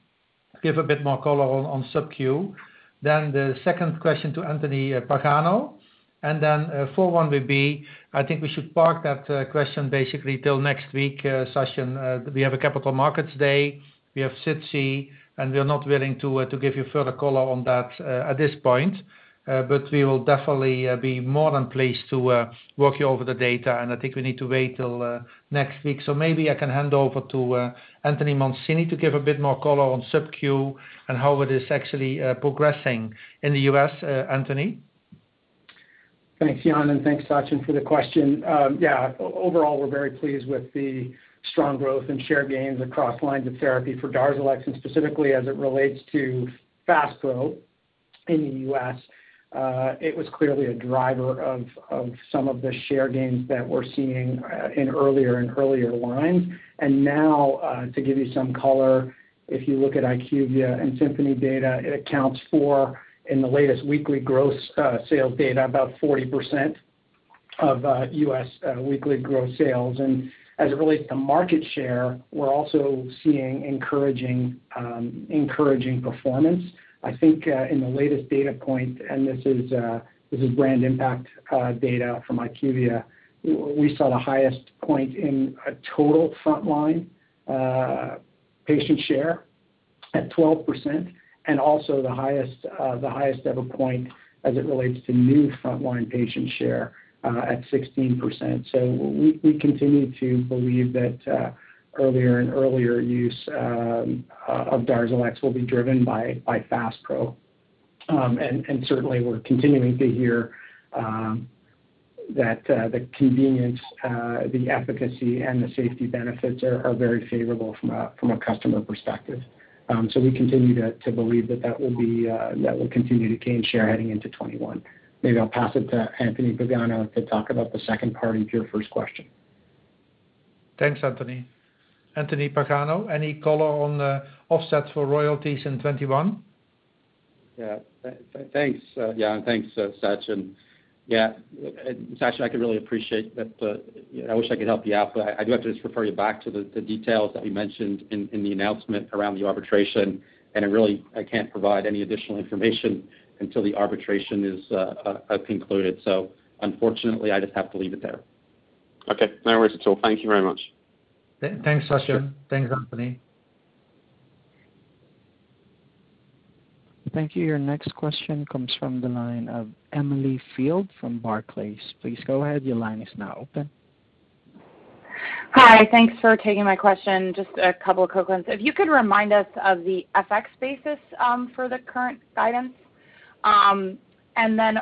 to give a bit more color on subcu, then the second question to Anthony Pagano. 4-1BB, I think we should park that question basically till next week, Sachin. We have a Capital Markets Day, we have SITC, and we are not willing to give you further color on that at this point. We will definitely be more than pleased to walk you over the data, and I think we need to wait till next week. Maybe I can hand over to Anthony Mancini to give a bit more color on subcu and how it is actually progressing in the U.S. Anthony?
Thanks, Jan, and thanks, Sachin, for the question. Overall, we're very pleased with the strong growth and share gains across lines of therapy for DARZALEX, and specifically as it relates to DARZALEX FASPRO in the U.S. It was clearly a driver of some of the share gains that we're seeing in earlier and earlier lines. Now, to give you some color, if you look at IQVIA and Symphony data, it accounts for, in the latest weekly gross sales data, about 40% of U.S. weekly gross sales. As it relates to market share, we're also seeing encouraging performance. I think in the latest data point, and this is brand impact data from IQVIA, we saw the highest point in a total frontline patient share at 12%, and also the highest ever point as it relates to new frontline patient share, at 16%. We continue to believe that earlier and earlier use of DARZALEX will be driven by Faspro. Certainly, we're continuing to hear that the convenience, the efficacy, and the safety benefits are very favorable from a customer perspective. We continue to believe that will continue to gain share heading into 2021. Maybe I'll pass it to Anthony Pagano to talk about the second part of your first question.
Thanks, Anthony. Anthony Pagano, any color on the offset for royalties in 2021?
Yeah. Thanks, Jan. Thanks, Sachin. Yeah, Sachin, I can really appreciate that. I wish I could help you out, but I do have to just refer you back to the details that we mentioned in the announcement around the arbitration, and I really can't provide any additional information until the arbitration is concluded. Unfortunately, I just have to leave it there.
Okay. No worries at all. Thank you very much.
Thanks, Sachin. Thanks, Anthony.
Thank you. Your next question comes from the line of Emily Field from Barclays. Please go ahead.
Hi. Thanks for taking my question. Just a couple of quick ones. If you could remind us of the FX basis for the current guidance.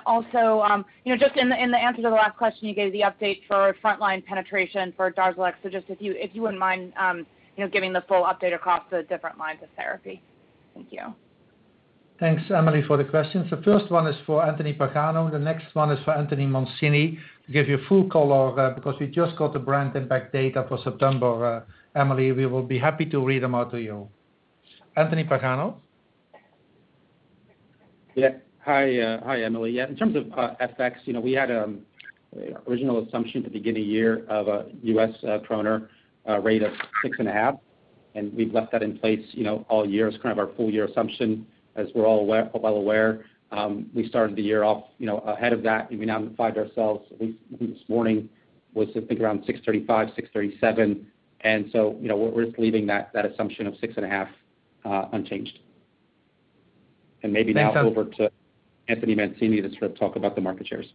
Also, just in the answer to the last question, you gave the update for frontline penetration for DARZALEX. Just if you wouldn't mind giving the full update across the different lines of therapy. Thank you.
Thanks, Emily, for the question. First one is for Anthony Pagano, the next one is for Anthony Mancini, to give you a full color, because we just got the brand impact data for September. Emily, we will be happy to read them out to you. Anthony Pagano?
Yeah. Hi, Emily. In terms of FX, we had an original assumption at the beginning of the year of a US kroner rate of 6.5, and we've left that in place all year as kind of our full-year assumption. As we're all well aware, we started the year off ahead of that, and we now find ourselves, at least this morning, was I think around 635, 637. We're just leaving that assumption of 6.5 unchanged.
Thanks.
Over to Anthony Mancini to sort of talk about the market shares.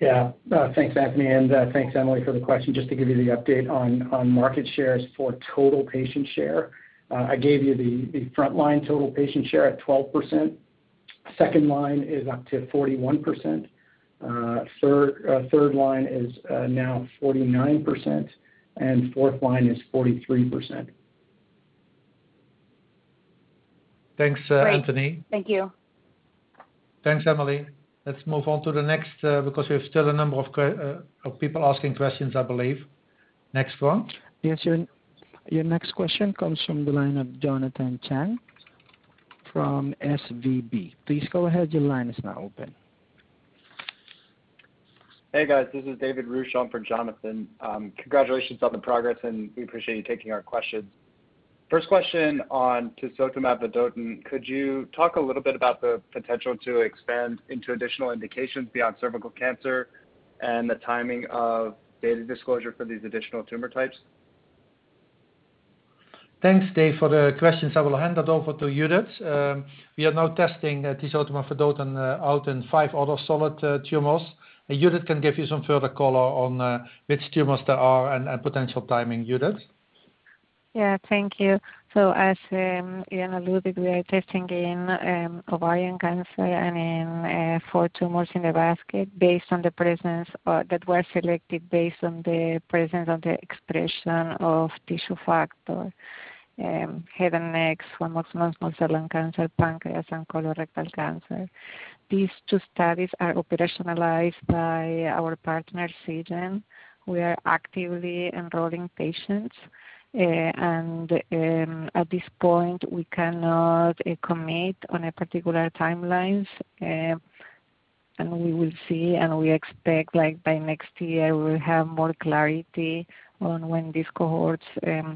Yeah. Thanks, Anthony, and thanks Emily for the question. Just to give you the update on market shares for total patient share. I gave you the frontline total patient share at 12%. Second line is up to 41%. Third line is now 49%, and fourth line is 43%.
Thanks, Anthony.
Great. Thank you.
Thanks, Emily. Let's move on to the next, because we have still a number of people asking questions, I believe. Next one.
Yes. Your next question comes from the line of Jonathan Chang from SVB. Please go ahead.
Hey, guys. This is David Ruch on for Jonathan. Congratulations on the progress, we appreciate you taking our questions. First question on tisotumab vedotin. Could you talk a little bit about the potential to expand into additional indications beyond cervical cancer and the timing of data disclosure for these additional tumor types?
Thanks, Dave, for the questions. I will hand it over to Judith. We are now testing tisotumab vedotin out in five other solid tumors. Judith can give you some further color on which tumors they are and potential timing. Judith?
Yeah. Thank you. As Jan alluded, we are testing in ovarian cancer and in four tumors in the basket that were selected based on the presence of the expression of tissue factor. Head and neck, squamous cell lung cancer, pancreas, and colorectal cancer. These two studies are operationalized by our partner, Seagen. We are actively enrolling patients. At this point, we cannot commit on particular timelines. We will see, and we expect by next year we'll have more clarity on when these cohorts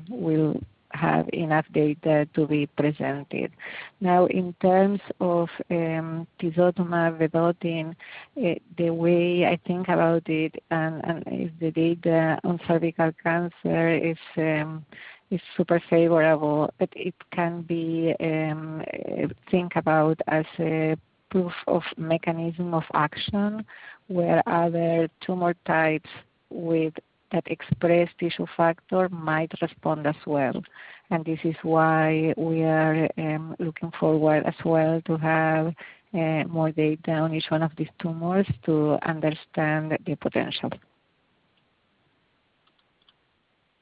will have enough data to be presented. Now, in terms of tisotumab vedotin, the way I think about it, and if the data on cervical cancer is super favorable, it can be thought about as a proof of mechanism of action, where other tumor types that express tissue factor might respond as well. This is why we are looking forward as well to have more data on each one of these tumors to understand the potential.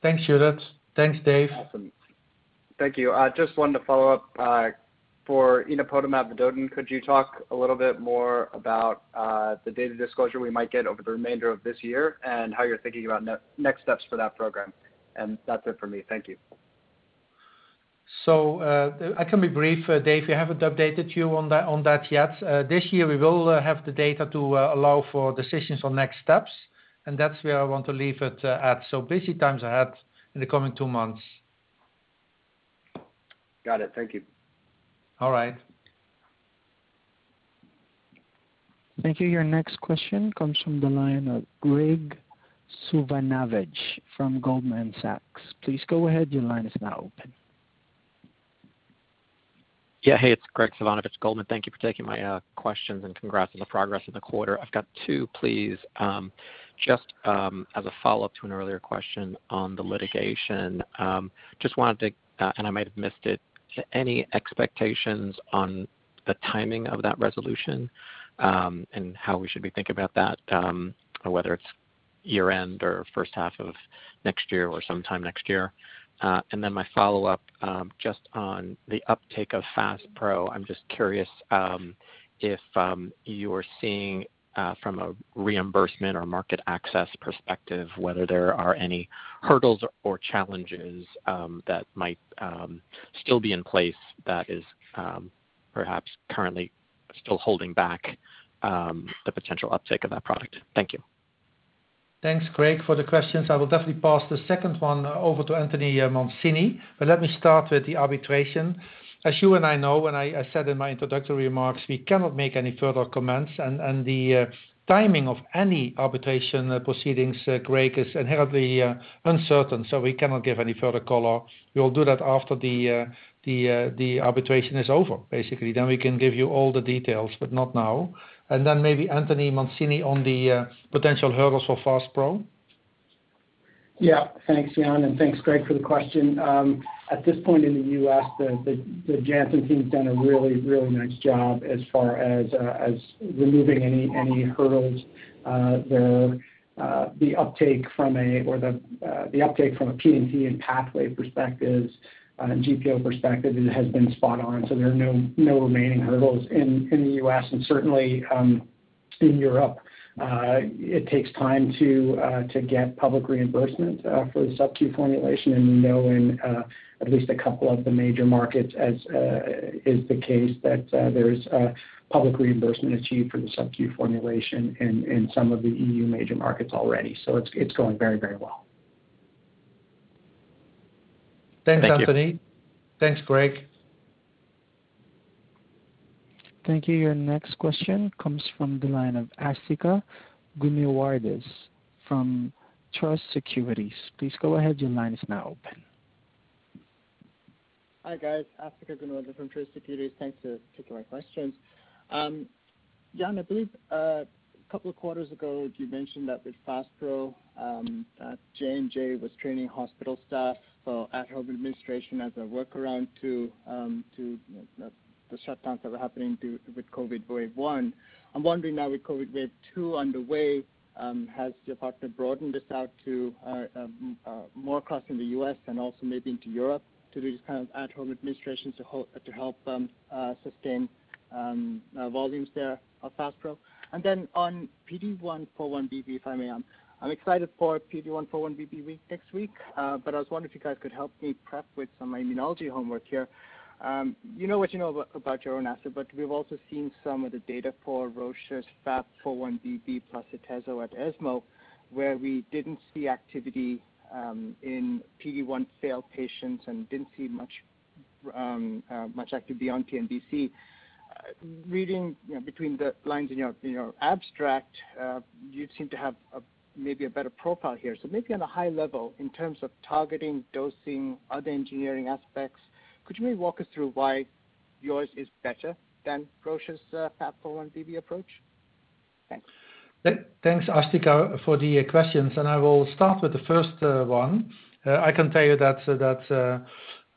Thanks, Judith. Thanks, Dave.
Awesome. Thank you. Just wanted to follow up for enapotamab vedotin. Could you talk a little bit more about the data disclosure we might get over the remainder of this year and how you're thinking about next steps for that program? That's it for me. Thank you.
I can be brief, Dave. We haven't updated you on that yet. This year, we will have the data to allow for decisions on next steps, and that's where I want to leave it at. Busy times ahead in the coming two months.
Got it. Thank you.
All right.
Thank you. Your next question comes from the line of Graig Suvannavejh from Goldman Sachs. Please go ahead. Your line is now open.
Yeah. Hey, it's Graig Suvannavejh, Goldman. Thank you for taking my questions, and congrats on the progress in the quarter. I've got two, please. Just as a follow-up to an earlier question on the litigation. Just wanted to, and I might have missed it, any expectations on the timing of that resolution, and how we should be thinking about that, or whether it's year-end or first half of next year, or sometime next year? My follow-up, just on the uptake of DARZALEX FASPRO, I'm just curious if you're seeing from a reimbursement or market access perspective whether there are any hurdles or challenges that might still be in place that is perhaps currently still holding back the potential uptake of that product. Thank you.
Thanks, Graig, for the questions. I will definitely pass the second one over to Anthony Mancini. Let me start with the arbitration. As you and I know, when I said in my introductory remarks, we cannot make any further comments and the timing of any arbitration proceedings, Graig, is inherently uncertain, we cannot give any further color. We'll do that after the arbitration is over, basically. We can give you all the details, not now. Maybe Anthony Mancini on the potential hurdles for Faspro.
Yeah. Thanks, Jan, and thanks, Graig, for the question. At this point in the U.S., the Janssen team's done a really, really nice job as far as removing any hurdles. The uptake from a P&T and pathway perspectives and GPO perspective has been spot on. There are no remaining hurdles in the U.S. and certainly in Europe. It takes time to get public reimbursement for the subcu formulation and we know in at least a couple of the major markets as is the case that there is public reimbursement achieved for the subcu formulation in some of the EU major markets already. It's going very, very well.
Thank you.
Thanks, Anthony. Thanks, Graig.
Thank you. Your next question comes from the line of Asthika Goonewardene from Truist Securities. Please go ahead. Your line is now open.
Hi, guys. Asthika Goonewardene from Truist Securities. Thanks for taking my questions. Jan, I believe a couple of quarters ago, you mentioned that with DARZALEX FASPRO, Johnson & Johnson was training hospital staff for at-home administration as a workaround to the shutdowns that were happening with COVID wave 1. I'm wondering now with COVID wave 2 underway, has your partner broadened this out to more across in the U.S. and also maybe into Europe to do this kind of at-home administration to help them sustain volumes there of DARZALEX FASPRO? On PD-L1x4-1BB, if I may. I was wondering if you guys could help me prep with some immunology homework here. What you know about your own asset, but we've also seen some of the data for Roche's FAP-4-1BB plus atezolizumab at ESMO, where we didn't see activity in PD-1 failed patients and didn't see much activity on pNVC. Reading between the lines in your abstract, you seem to have maybe a better profile here. Maybe on a high level in terms of targeting, dosing, other engineering aspects, could you maybe walk us through why yours is better than Roche's FAP-4-1BB approach? Thanks.
Thanks, Asthika, for the questions. I will start with the first one. I can tell you that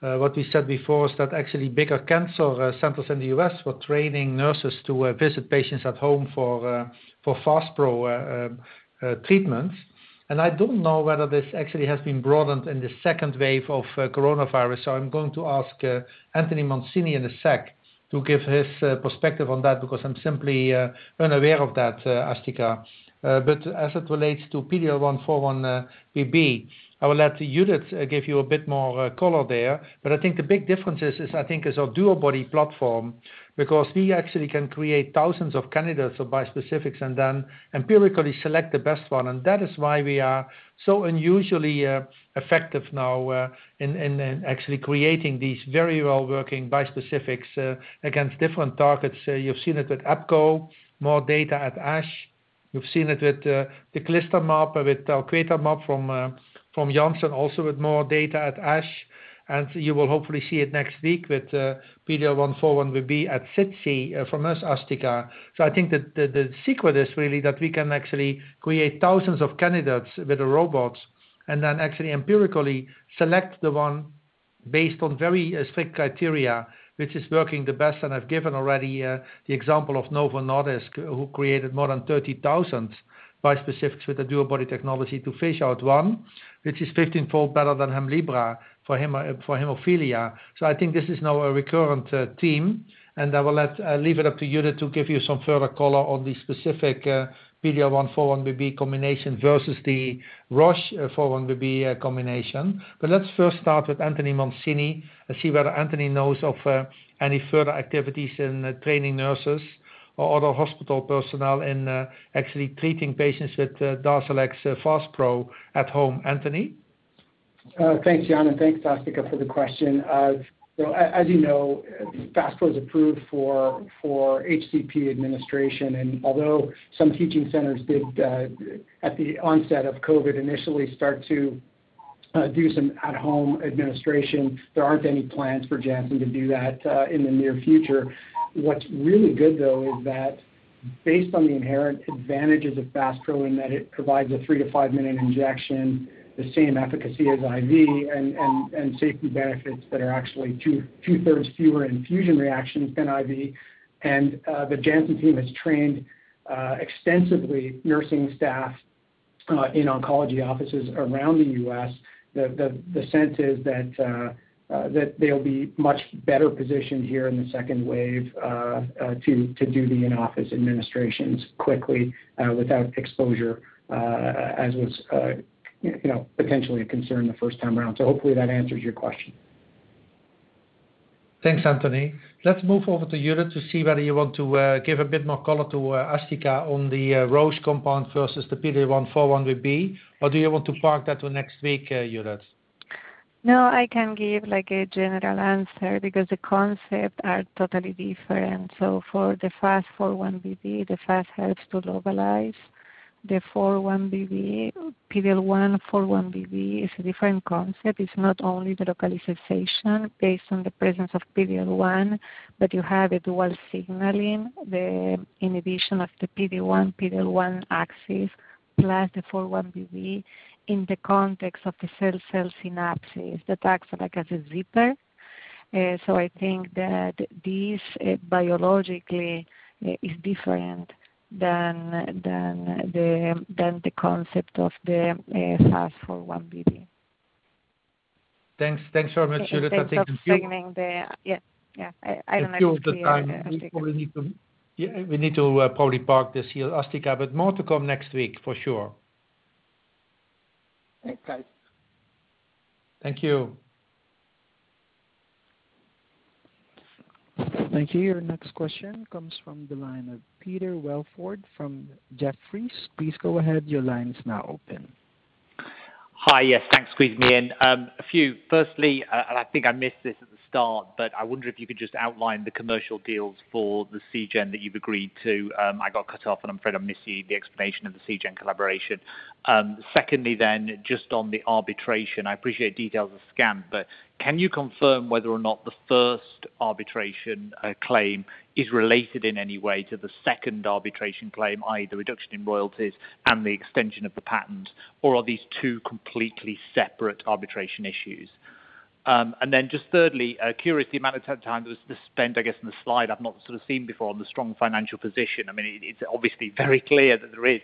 what we said before is that actually bigger cancer centers in the U.S. were training nurses to visit patients at home for Faspro treatments. I don't know whether this actually has been broadened in the second wave of coronavirus. I'm going to ask Anthony Mancini in a sec to give his perspective on that because I'm simply unaware of that, Asthika. As it relates to PD-L1x4-1BB, I will let Judith give you a bit more color there. I think the big difference is our DuoBody platform because we actually can create thousands of candidates of bispecifics and then empirically select the best one. That is why we are so unusually effective now in actually creating these very well-working bispecifics against different targets. You've seen it with epco, more data at ASH. You've seen it with teclistamab, with talquetamab from Janssen, also with more data at ASH. You will hopefully see it next week with PD-L1x4-1BB at SITC from us, Asthika. I think that the secret is really that we can actually create thousands of candidates with the robots and then actually empirically select the one based on very strict criteria, which is working the best. I've given already the example of Novo Nordisk, who created more than 30,000 bispecifics with the DuoBody technology to fish out one, which is 15-fold better than HEMLIBRA for hemophilia. I think this is now a recurrent theme, and I will leave it up to Judith to give you some further color on the specific PD-L1x4-1BB combination versus the Roche 4-1BB combination. Let's first start with Anthony Mancini and see whether Anthony knows of any further activities in training nurses or other hospital personnel in actually treating patients with DARZALEX FASPRO at home. Anthony?
Thanks, Jan, and thanks, Asthika, for the question. As you know, Faspro is approved for HCP administration, and although some teaching centers did, at the onset of COVID initially, start to do some at-home administration, there aren't any plans for Janssen to do that in the near future. What's really good, though, is that based on the inherent advantages of Faspro, in that it provides a three-to-five-minute injection, the same efficacy as IV, and safety benefits that are actually two-thirds fewer infusion reactions than IV. The Janssen team has trained extensively nursing staff in oncology offices around the U.S., the sense is that they'll be much better positioned here in the second wave to do the in-office administrations quickly without exposure, as was potentially a concern the first time around. Hopefully that answers your question.
Thanks, Anthony. Let's move over to Judith to see whether you want to give a bit more color to Asthika on the Roche compound versus the PD-L1x4-1BB, or do you want to park that till next week, Judith?
No, I can give a general answer, because the concept are totally different. For the FAP-4-1BB, the FAP helps to globalize. The PD-L1x4-1BB is a different concept. It's not only the localization based on the presence of PD-L1, but you have it while signaling the inhibition of the PD-1, PD-L1 axis, plus the 4-1BB in the context of the cell-cell synapses that acts like as a zipper. I think that this biologically is different than the concept of the FAP-4-1BB.
Thanks very much, Judith.
In terms of signaling the Yeah. I don't know if you.
We feel the time. We need to probably park this here, Asthika, but more to come next week for sure.
Thanks, guys.
Thank you.
Thank you. Your next question comes from the line of Peter Welford from Jefferies. Please go ahead. Your line is now open.
Hi. Yes, thanks for squeezing me in. A few. Firstly, I think I missed this at the start, but I wonder if you could just outline the commercial deals for Seagen that you've agreed to. I got cut off, I'm afraid I'm missing the explanation of the Seagen collaboration. Secondly, just on the arbitration, I appreciate details are scant, but can you confirm whether or not the first arbitration claim is related in any way to the second arbitration claim, i.e., the reduction in royalties and the extension of the patent, or are these two completely separate arbitration issues? Thirdly, I'm curious the amount of time that was spent, I guess, on the slide I've not seen before on the strong financial position. It's obviously very clear that there is.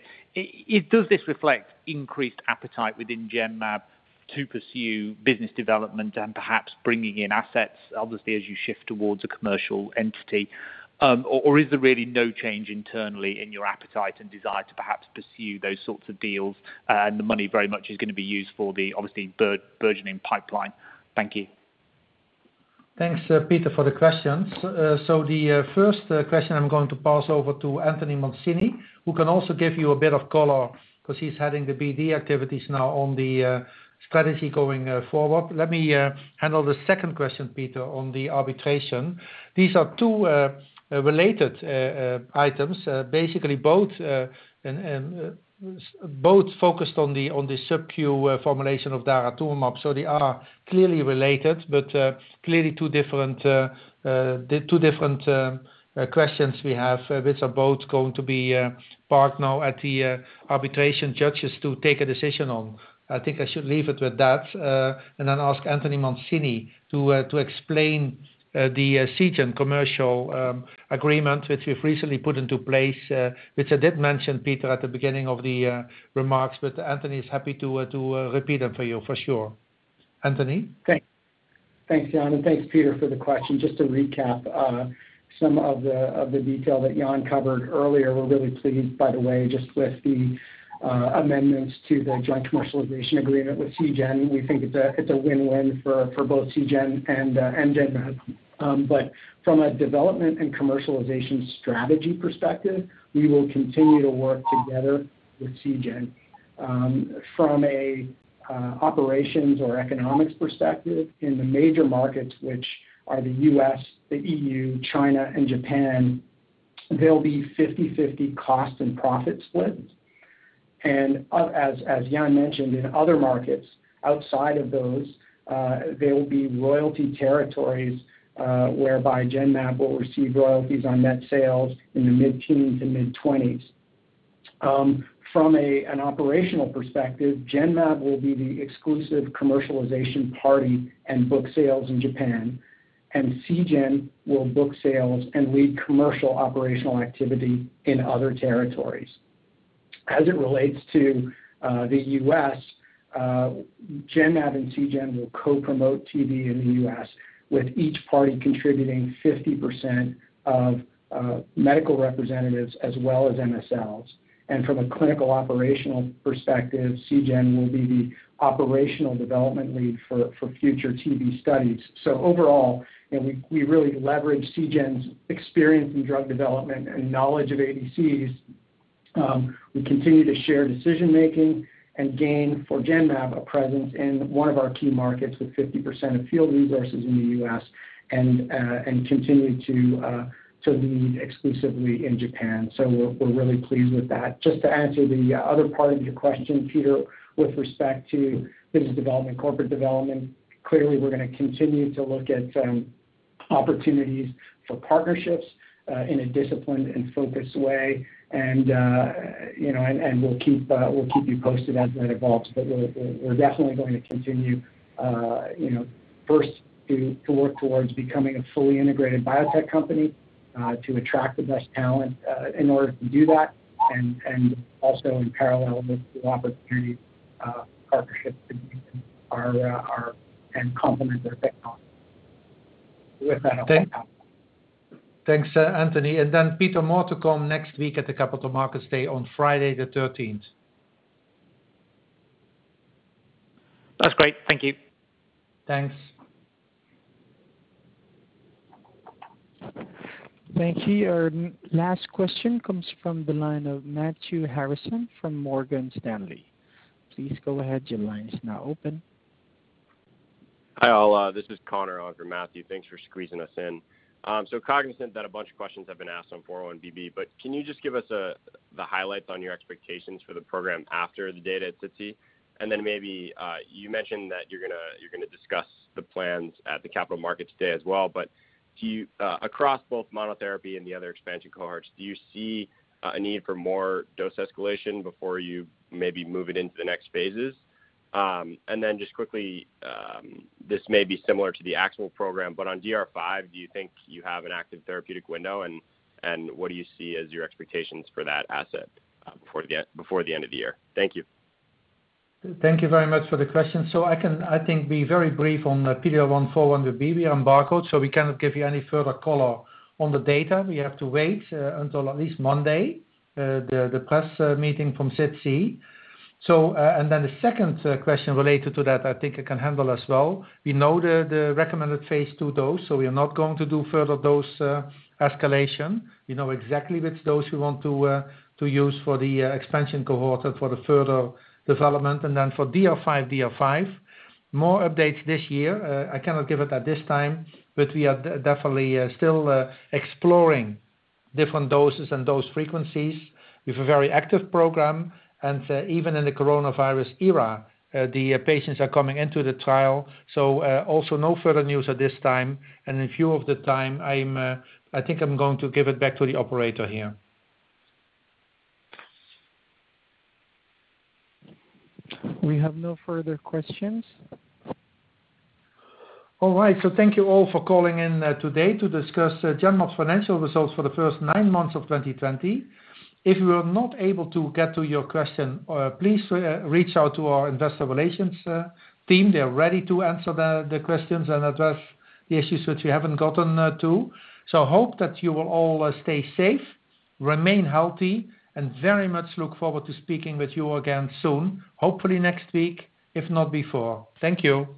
Does this reflect increased appetite within Genmab to pursue business development and perhaps bringing in assets, obviously as you shift towards a commercial entity? Or is there really no change internally in your appetite and desire to perhaps pursue those sorts of deals, and the money very much is going to be used for the obviously burgeoning pipeline? Thank you.
Thanks, Peter, for the questions. The first question I'm going to pass over to Anthony Mancini, who can also give you a bit of color because he's heading the BD activities now on the strategy going forward. Let me handle the second question, Peter, on the arbitration. These are two related items. Basically both focused on the subcu formulation of daratumumab. They are clearly related, but clearly two different questions we have, which are both going to be parked now at the arbitration judges to take a decision on. I think I should leave it with that, and then ask Anthony Mancini to explain the Seagen commercial agreement, which we've recently put into place, which I did mention, Peter, at the beginning of the remarks, but Anthony is happy to repeat them for you for sure. Anthony?
Thanks. Thanks, Jan, and thanks, Peter, for the question. To recap some of the detail that Jan covered earlier. We're really pleased, by the way, just with the amendments to the joint commercialization agreement with Seagen. We think it's a win-win for both Seagen and Genmab. From a development and commercialization strategy perspective, we will continue to work together with Seagen. From a operations or economics perspective in the major markets, which are the U.S., the EU, China and Japan, they'll be 50/50 cost and profit split. As Jan mentioned, in other markets outside of those, they will be royalty territories, whereby Genmab will receive royalties on net sales in the mid-teens and mid-20s. From an operational perspective, Genmab will be the exclusive commercialization party and book sales in Japan, and Seagen will book sales and lead commercial operational activity in other territories. As it relates to the U.S., Genmab and Seagen will co-promote TV in the U.S. with each party contributing 50% of medical representatives as well as MSLs. From a clinical operational perspective, Seagen will be the operational development lead for future TV studies. Overall, we really leverage Seagen's experience in drug development and knowledge of ADCs. We continue to share decision-making and gain for Genmab a presence in one of our key markets with 50% of field resources in the U.S. and continue to lead exclusively in Japan. We're really pleased with that. Just to answer the other part of your question, Peter, with respect to business development, corporate development, clearly, we're going to continue to look at opportunities for partnerships in a disciplined and focused way. We'll keep you posted as that evolves. We're definitely going to continue first to work towards becoming a fully integrated biotech company, to attract the best talent in order to do that, and also in parallel, look for opportunities for partnerships and complement our technology with that of others.
Thanks, Anthony. Peter more to come next week at the Capital Markets Day on Friday the 13th.
That's great. Thank you.
Thanks.
Thank you. Our last question comes from the line of Matthew Harrison from Morgan Stanley. Please go ahead.
Hi, all. This is Connor in for Matthew. Thanks for squeezing us in. Cognizant that a bunch of questions have been asked on 4-1BB, but can you just give us the highlights on your expectations for the program after the data at SITC? Maybe, you mentioned that you're going to discuss the plans at the capital markets day as well, but across both monotherapy and the other expansion cohorts, do you see a need for more dose escalation before you maybe move it into the next phases? Just quickly, this may be similar to the actual program, but on DR5, do you think you have an active therapeutic window? What do you see as your expectations for that asset before the end of the year? Thank you.
Thank you very much for the question. I can, I think, be very brief on PD-L1x4-1BB on STRIP-1. We cannot give you any further color on the data. We have to wait until at least Monday, the press meeting from SITC. The second question related to that I think I can handle as well. We know the recommended phase II dose. We are not going to do further dose escalation. We know exactly which dose we want to use for the expansion cohort and for the further development. For DR5-DR5, more updates this year. I cannot give it at this time. We are definitely still exploring different doses and dose frequencies. We have a very active program. Even in the coronavirus era, the patients are coming into the trial. Also no further news at this time. In view of the time, I think I'm going to give it back to the operator here.
We have no further questions.
All right. Thank you all for calling in today to discuss Genmab's financial results for the first nine months of 2020. If we were not able to get to your question, please reach out to our investor relations team. They're ready to answer the questions and address the issues that we haven't gotten to. Hope that you will all stay safe, remain healthy, and very much look forward to speaking with you again soon, hopefully next week, if not before. Thank you.